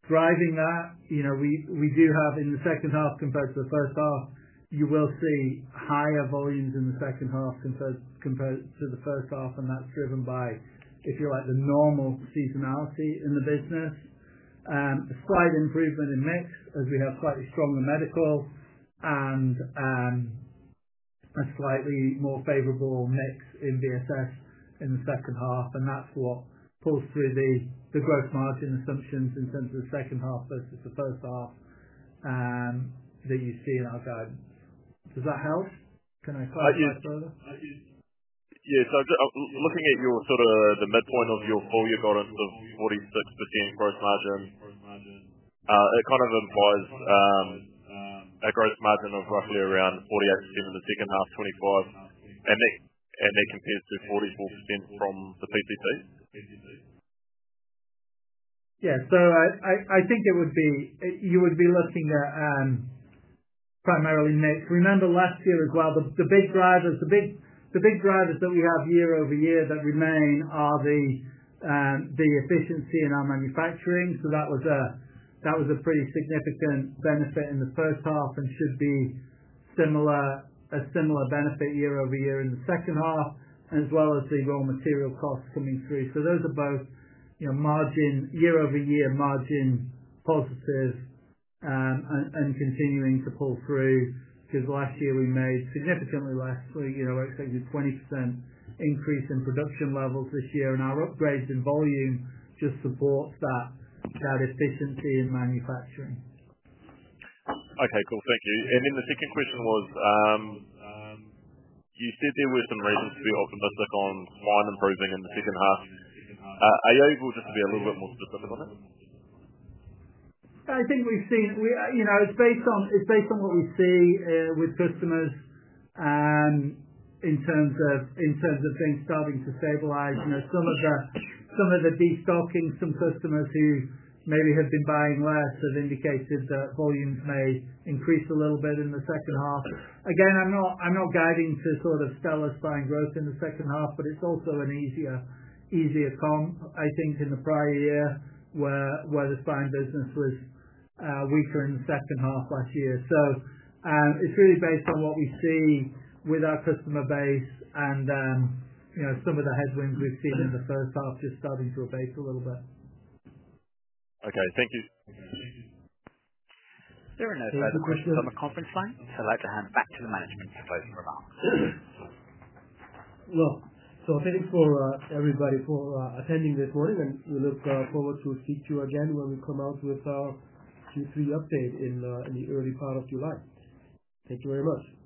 driving that, we do have in the second half compared to the first half, you will see higher volumes in the second half compared to the first half, and that's driven by, if you like, the normal seasonality in the business, a slight improvement in mix as we have slightly stronger medical and a slightly more favorable mix in BSS in the second half. That's what pulls through the gross margin assumptions in terms of the second half versus the first half that you see in our guidance. Does that help? Can I clarify further? Yes. Looking at sort of the midpoint of your four-year guidance of 46% gross margin, it kind of implies a gross margin of roughly around 48% in the second half 2025, and that compares to 44% from the PCC? Yeah. I think you would be looking at primarily nets. Remember last year as well, the big drivers, the big drivers that we have year over year that remain are the efficiency in our manufacturing. That was a pretty significant benefit in the first half and should be a similar benefit year over year in the second half, as well as the raw material costs coming through. Those are both year over year margin positive and continuing to pull through because last year we made significantly less. We're expecting a 20% increase in production levels this year, and our upgrades in volume just support that efficiency in manufacturing. Okay. Cool. Thank you. The second question was you said there were some reasons to be optimistic on line improving in the second half. Are you able just to be a little bit more specific on that? I think we've seen it's based on what we see with customers in terms of things starting to stabilize. Some of the destocking, some customers who maybe have been buying less have indicated that volumes may increase a little bit in the second half. Again, I'm not guiding to sort of stellar spine growth in the second half, but it's also an easier comp, I think, in the prior year where the spine business was weaker in the second half last year. It is really based on what we see with our customer base and some of the headwinds we've seen in the first half just starting to abate a little bit. Okay. Thank you. There are no further questions on the conference line. I'd like to hand back to the management for closing remarks. Thank you for everybody for attending this morning, and we look forward to speaking to you again when we come out with our Q3 update in the early part of July. Thank you very much.